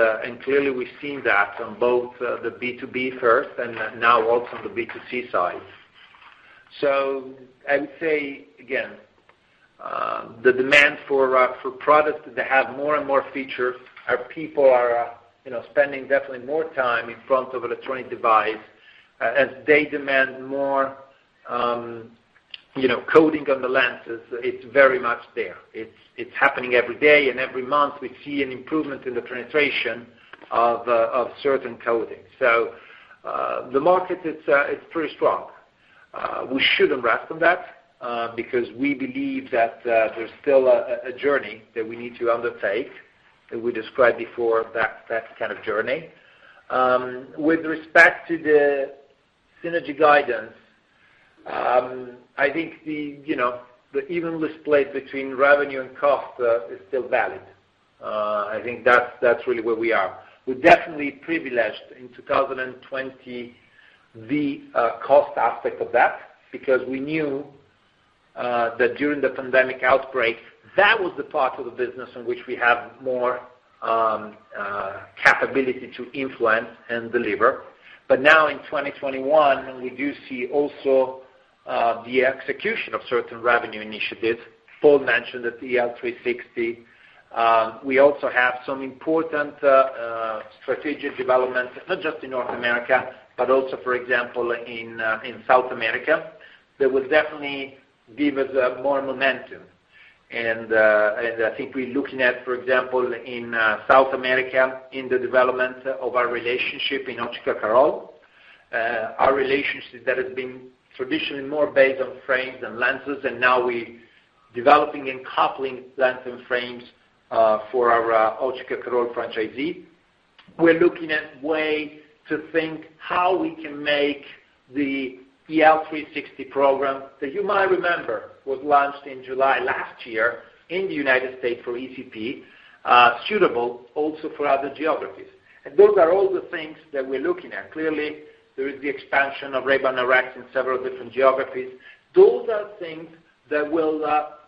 clearly we've seen that on both the B2B first and now also on the B2C side. I would say again, the demand for products that have more and more features, our people are spending definitely more time in front of electronic device, as they demand more coating on the lenses. It's very much there. It's happening every day, and every month we see an improvement in the penetration of certain coating. The market is pretty strong. We shouldn't rest on that, because we believe that there's still a journey that we need to undertake, that we described before, that kind of journey. With respect to the synergy guidance. I think the even split between revenue and cost is still valid. I think that's really where we are. We definitely privileged, in 2020, the cost aspect of that, because we knew that during the pandemic outbreak, that was the part of the business in which we have more capability to influence and deliver. Now in 2021, we do see also the execution of certain revenue initiatives. Paul mentioned the EL360. We also have some important strategic developments, not just in North America, but also, for example, in South America, that will definitely give us more momentum. I think we're looking at, for example, in South America, in the development of our relationship in Óticas Carol. Our relationship that has been traditionally more based on frames than lenses, and now we're developing and coupling lens and frames for our Óticas Carol franchisee. We're looking at ways to think how we can make the EL360 program, that you might remember, was launched in July last year in the U.S. for ECP, suitable also for other geographies. Those are all the things that we're looking at. Clearly, there is the expansion of Ray-Ban Direct in several different geographies. Those are things that will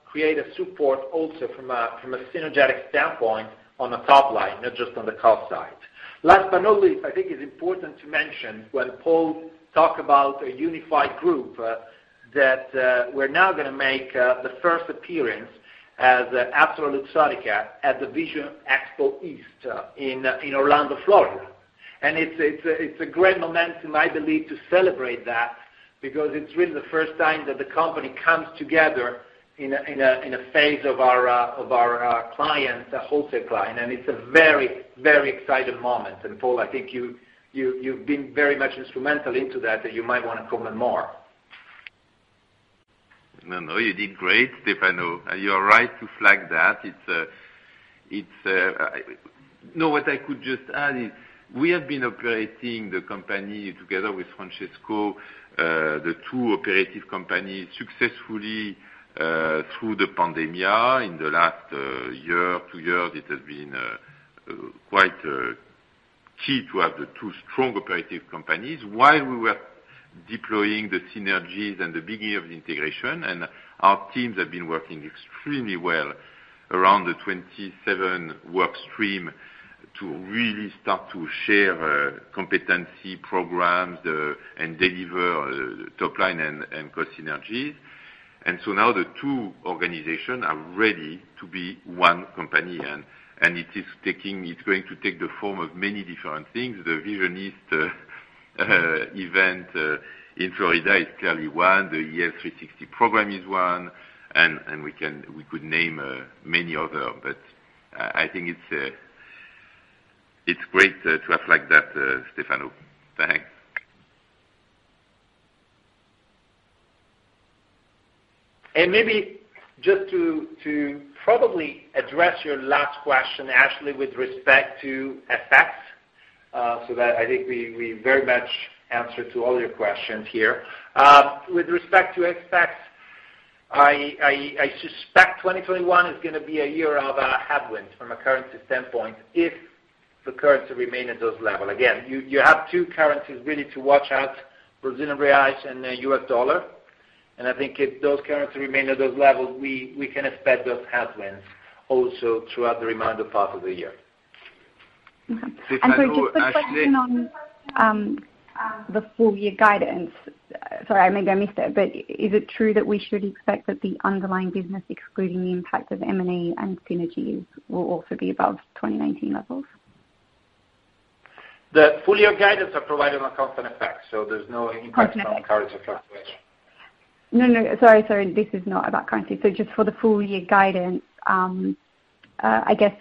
create a support also from a synergetic standpoint on the top line, not just on the cost side. Last but not least, I think it's important to mention when Paul talk about a unified group, that we're now going to make the first appearance as EssilorLuxottica at the Vision Expo East in Orlando, Florida. It's a great moment, I believe, to celebrate that because it's really the first time that the company comes together in a face of our clients, the wholesale client. It's a very exciting moment. Paul, I think you've been very much instrumental into that you might want to comment more. No, you did great, Stefano. You are right to flag that. What I could just add is, we have been operating the company together with Francesco, the two operative companies, successfully through the pandemic. In the last year, two years, it has been quite key to have the two strong operative companies while we were deploying the synergies and the beginning of the integration. Our teams have been working extremely well around the 27 workstream to really start to share competency programs and deliver top-line and cost synergies. Now the two organizations are ready to be one company, and it's going to take the form of many different things. The Vision Expo East event in Florida is clearly one, the EL360 program is one, and we could name many other, but I think it's great to have like that, Stefano. Thanks. Maybe just to probably address your last question, Ashley, with respect to FX, so that I think we very much answer to all your questions here. With respect to FX, I suspect 2021 is going to be a year of headwinds from a currency standpoint if the currency remain at those level. Again, you have two currencies really to watch out, Brazilian reais and the U.S. dollar. I think if those currency remain at those levels, we can expect those headwinds also throughout the remainder part of the year. Stefano, Ashley- Just a question on the full-year guidance. Sorry, maybe I missed it, but is it true that we should expect that the underlying business, excluding the impact of M&A and synergies, will also be above 2019 levels? The full-year guidance are provided on constant FX, so there's no impact from currency fluctuation. No, sorry. This is not about currency. Just for the full year guidance, I guess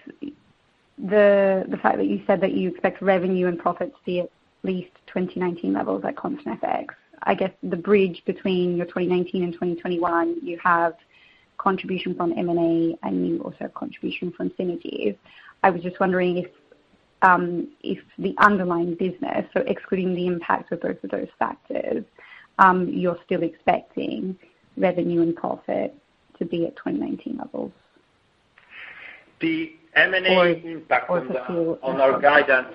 the fact that you said that you expect revenue and profits to be at least 2019 levels at constant FX. I guess the bridge between your 2019 and 2021, you have contribution from M&A, and you also have contribution from synergies. I was just wondering if the underlying business, so excluding the impact of both of those factors, you're still expecting revenue and profit to be at 2019 levels. The M&A impact. Or for the full- On our guidance.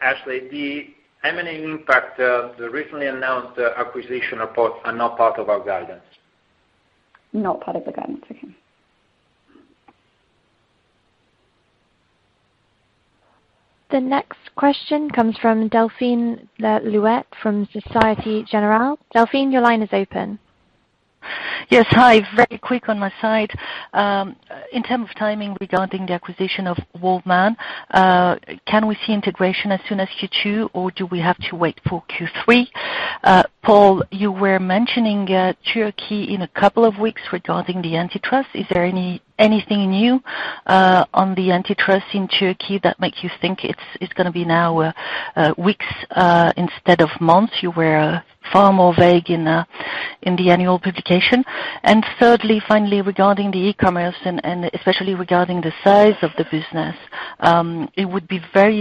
Ashley, the M&A impact of the recently announced acquisition reports are not part of our guidance. Not part of the guidance. Okay. The next question comes from Delphine Le Louet from Societe Generale. Delphine, your line is open. Yes, hi. Very quick on my side. In term of timing regarding the acquisition of Walman, can we see integration as soon as Q2, or do we have to wait for Q3? Paul, you were mentioning Turkey in a couple of weeks regarding the antitrust. Is there anything new on the antitrust in Turkey that makes you think it's going to be now weeks instead of months? You were far more vague in the annual publication. Thirdly, finally, regarding the e-commerce and especially regarding the size of the business, it would be very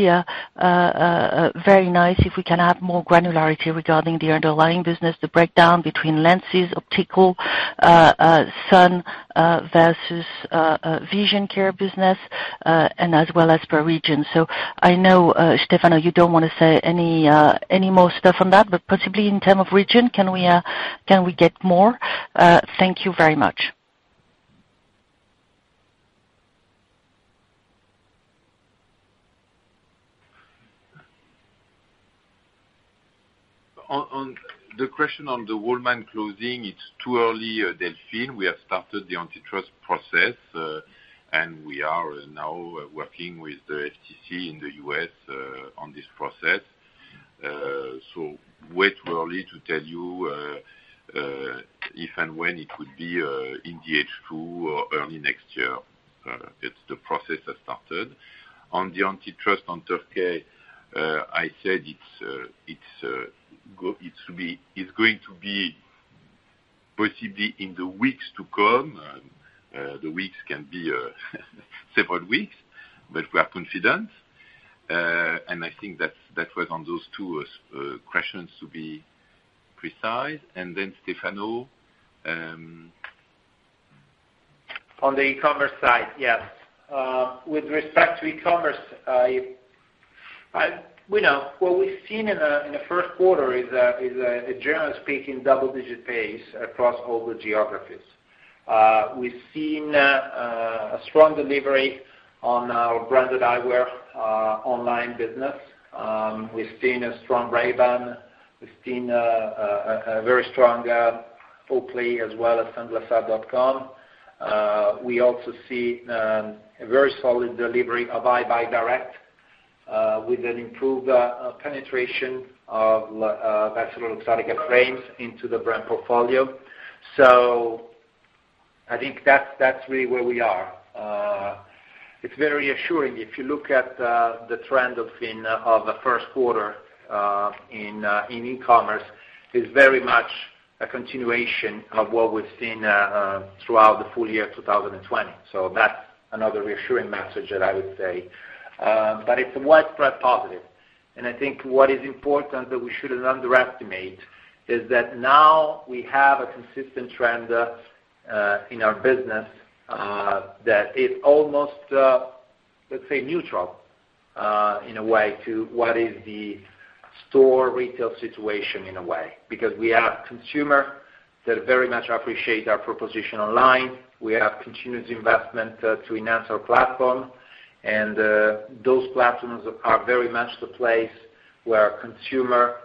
nice if we can add more granularity regarding the underlying business, the breakdown between lenses, optical, sun, versus vision care business, and as well as per region. I know, Stefano, you don't want to say any more stuff on that, but possibly in term of region, can we get more? Thank you very much. On the question on the Walman closing, it's too early, Delphine. We have started the antitrust process, and we are now working with the FTC in the U.S., on this process. Way too early to tell you if and when it could be in the H2 or early next year. The process has started. On the antitrust on Turkey, I said it's going to be possibly in the weeks to come. The weeks can be several weeks, but we are confident. I think that's where on those two questions to be precise. Then Stefano. On the e-commerce side, yes. With respect to e-commerce, what we've seen in the first quarter is a, generally speaking, double-digit pace across all the geographies. We've seen a strong delivery on our branded eyewear online business. We've seen a strong Ray-Ban. We've seen a very strong full play as well at sunglasses.com. We also see a very solid delivery of EyeBuyDirect with an improved penetration of EssilorLuxottica frames into the brand portfolio. I think that's really where we are. It's very reassuring. If you look at the trend of the first quarter in e-commerce, it's very much a continuation of what we've seen throughout the full year 2020. That's another reassuring message that I would say. It's a widespread positive. I think what is important that we shouldn't underestimate is that now we have a consistent trend in our business, that is almost, let's say, neutral in a way to what is the store retail situation. We have consumer that very much appreciate our proposition online. We have continuous investment to enhance our platform. Those platforms are very much the place where a consumer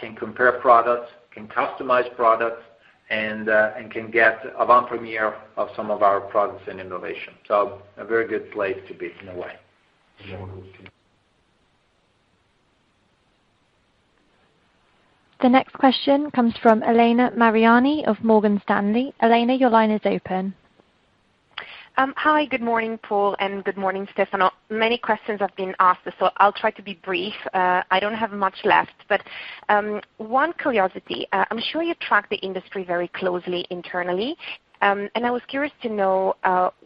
can compare products, can customize products, and can get avant-premiere of some of our products and innovation. A very good place to be in a way. Yeah. The next question comes from Elena Mariani of Morgan Stanley. Elena, your line is open. Hi. Good morning, Paul, and good morning, Stefano. Many questions have been asked. I'll try to be brief. I don't have much left. One curiosity. I'm sure you track the industry very closely internally. I was curious to know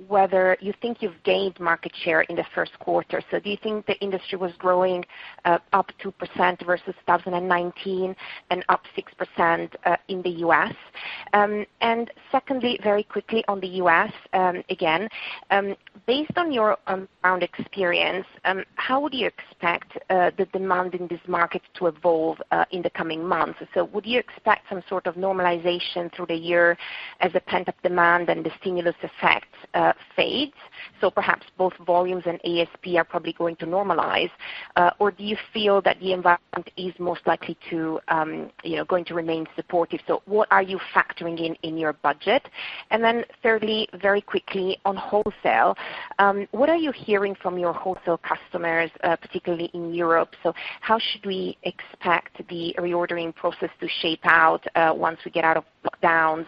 whether you think you've gained market share in the first quarter. Do you think the industry was growing up 2% versus 2019 and up 6% in the U.S.? Secondly, very quickly on the U.S., again, based on your on-ground experience, how do you expect the demand in this market to evolve in the coming months? Would you expect some sort of normalization through the year as the pent-up demand and the stimulus effect fades? Perhaps both volumes and ASP are probably going to normalize. Do you feel that the environment is most likely going to remain supportive? What are you factoring in in your budget? Thirdly, very quickly on wholesale, what are you hearing from your wholesale customers, particularly in Europe? How should we expect the reordering process to shape out once we get out of lockdowns?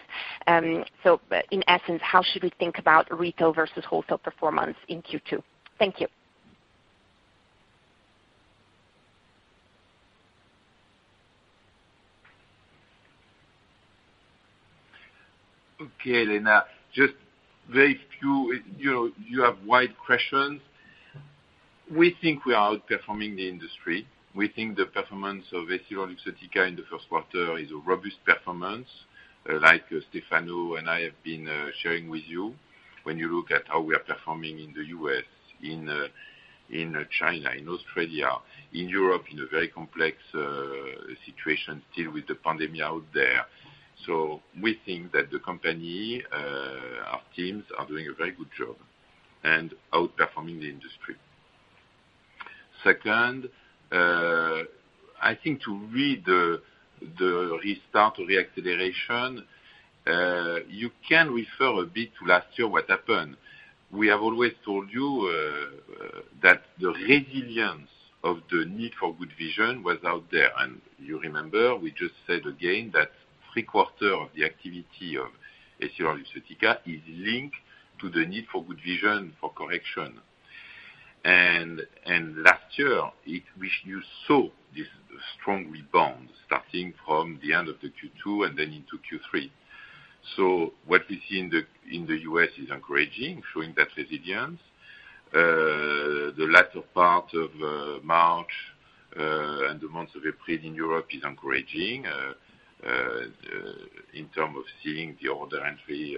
In essence, how should we think about retail versus wholesale performance in Q2? Thank you. Okay, Elena, just very few. You have wide questions. We think we are outperforming the industry. We think the performance of EssilorLuxottica in the first quarter is a robust performance, like Stefano and I have been sharing with you. When you look at how we are performing in the U.S., in China, in Australia, in Europe, in a very complex situation, still with the pandemic out there. We think that the company, our teams, are doing a very good job and outperforming the industry. Second, I think to read the restart or the acceleration, you can refer a bit to last year what happened. We have always told you that the resilience of the need for good vision was out there. You remember, we just said again that three quarter of the activity of EssilorLuxottica is linked to the need for good vision for correction. Last year, we saw this strong rebound starting from the end of the Q2 and then into Q3. What we see in the U.S. is encouraging, showing that resilience. The latter part of March, and the month of April in Europe is encouraging, in term of seeing the order entry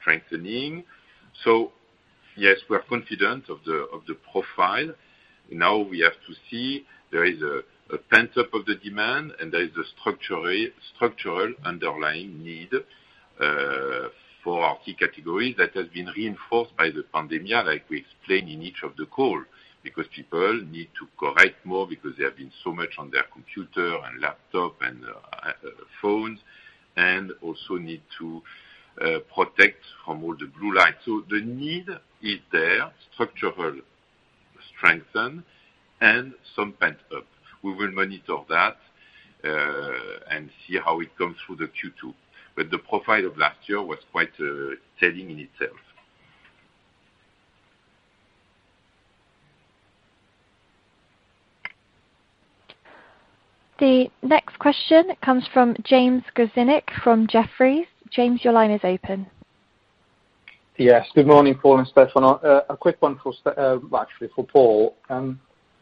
strengthening. Yes, we are confident of the profile. We have to see there is a pent-up of the demand and there is a structural underlying need for our key categories that has been reinforced by the pandemia like we explained in each of the call because people need to correct more because they have been so much on their computer and laptop and phones and also need to protect from all the blue light. The need is there, structural strengthen and some pent up. We will monitor that and see how it comes through the Q2. The profile of last year was quite telling in itself. The next question comes from James Grzinic from Jefferies. James, your line is open. Yes. Good morning, Paul and Stefano. A quick one, actually for Paul. I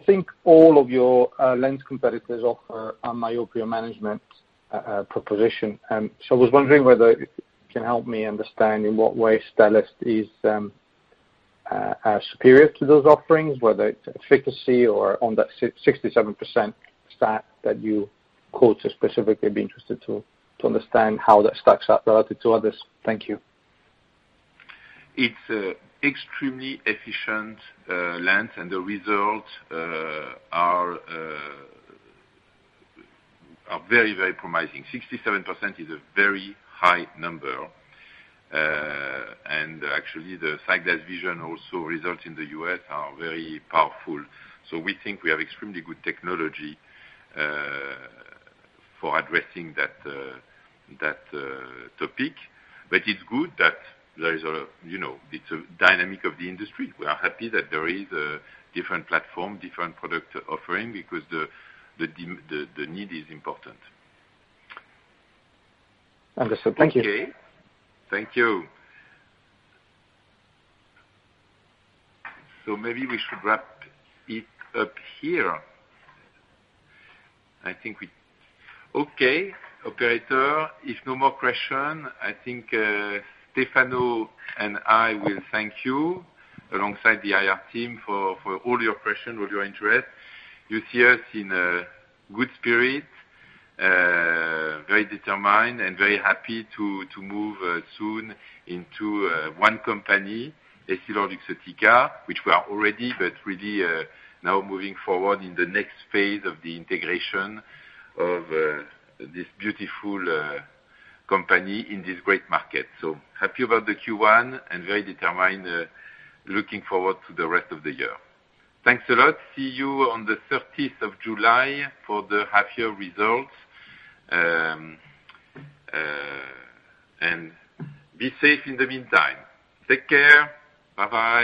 think all of your lens competitors offer a myopia management proposition. I was wondering whether you can help me understand in what way Stellest is superior to those offerings, whether it's efficacy or on that 67% stat that you quote, I'd specifically be interested to understand how that stacks up relative to others. Thank you. It's extremely efficient lens and the result are very, very promising. 67% is a very high number. Actually the SightGlass Vision also results in the U.S. are very powerful. We think we have extremely good technology for addressing that topic. It's good that it's a dynamic of the industry. We are happy that there is a different platform, different product offering because the need is important. Understood. Thank you. Okay. Thank you. Maybe we should wrap it up here. Operator, if no more question, Stefano and I will thank you alongside the IR team for all your questions, all your interest. You see us in a good spirit, very determined and very happy to move soon into one company, EssilorLuxottica, which we are already but really now moving forward in the next phase of the integration of this beautiful company in this great market. Happy about the Q1 and very determined, looking forward to the rest of the year. Thanks a lot. See you on the 13th of July for the half year results. Be safe in the meantime. Take care. Bye-bye.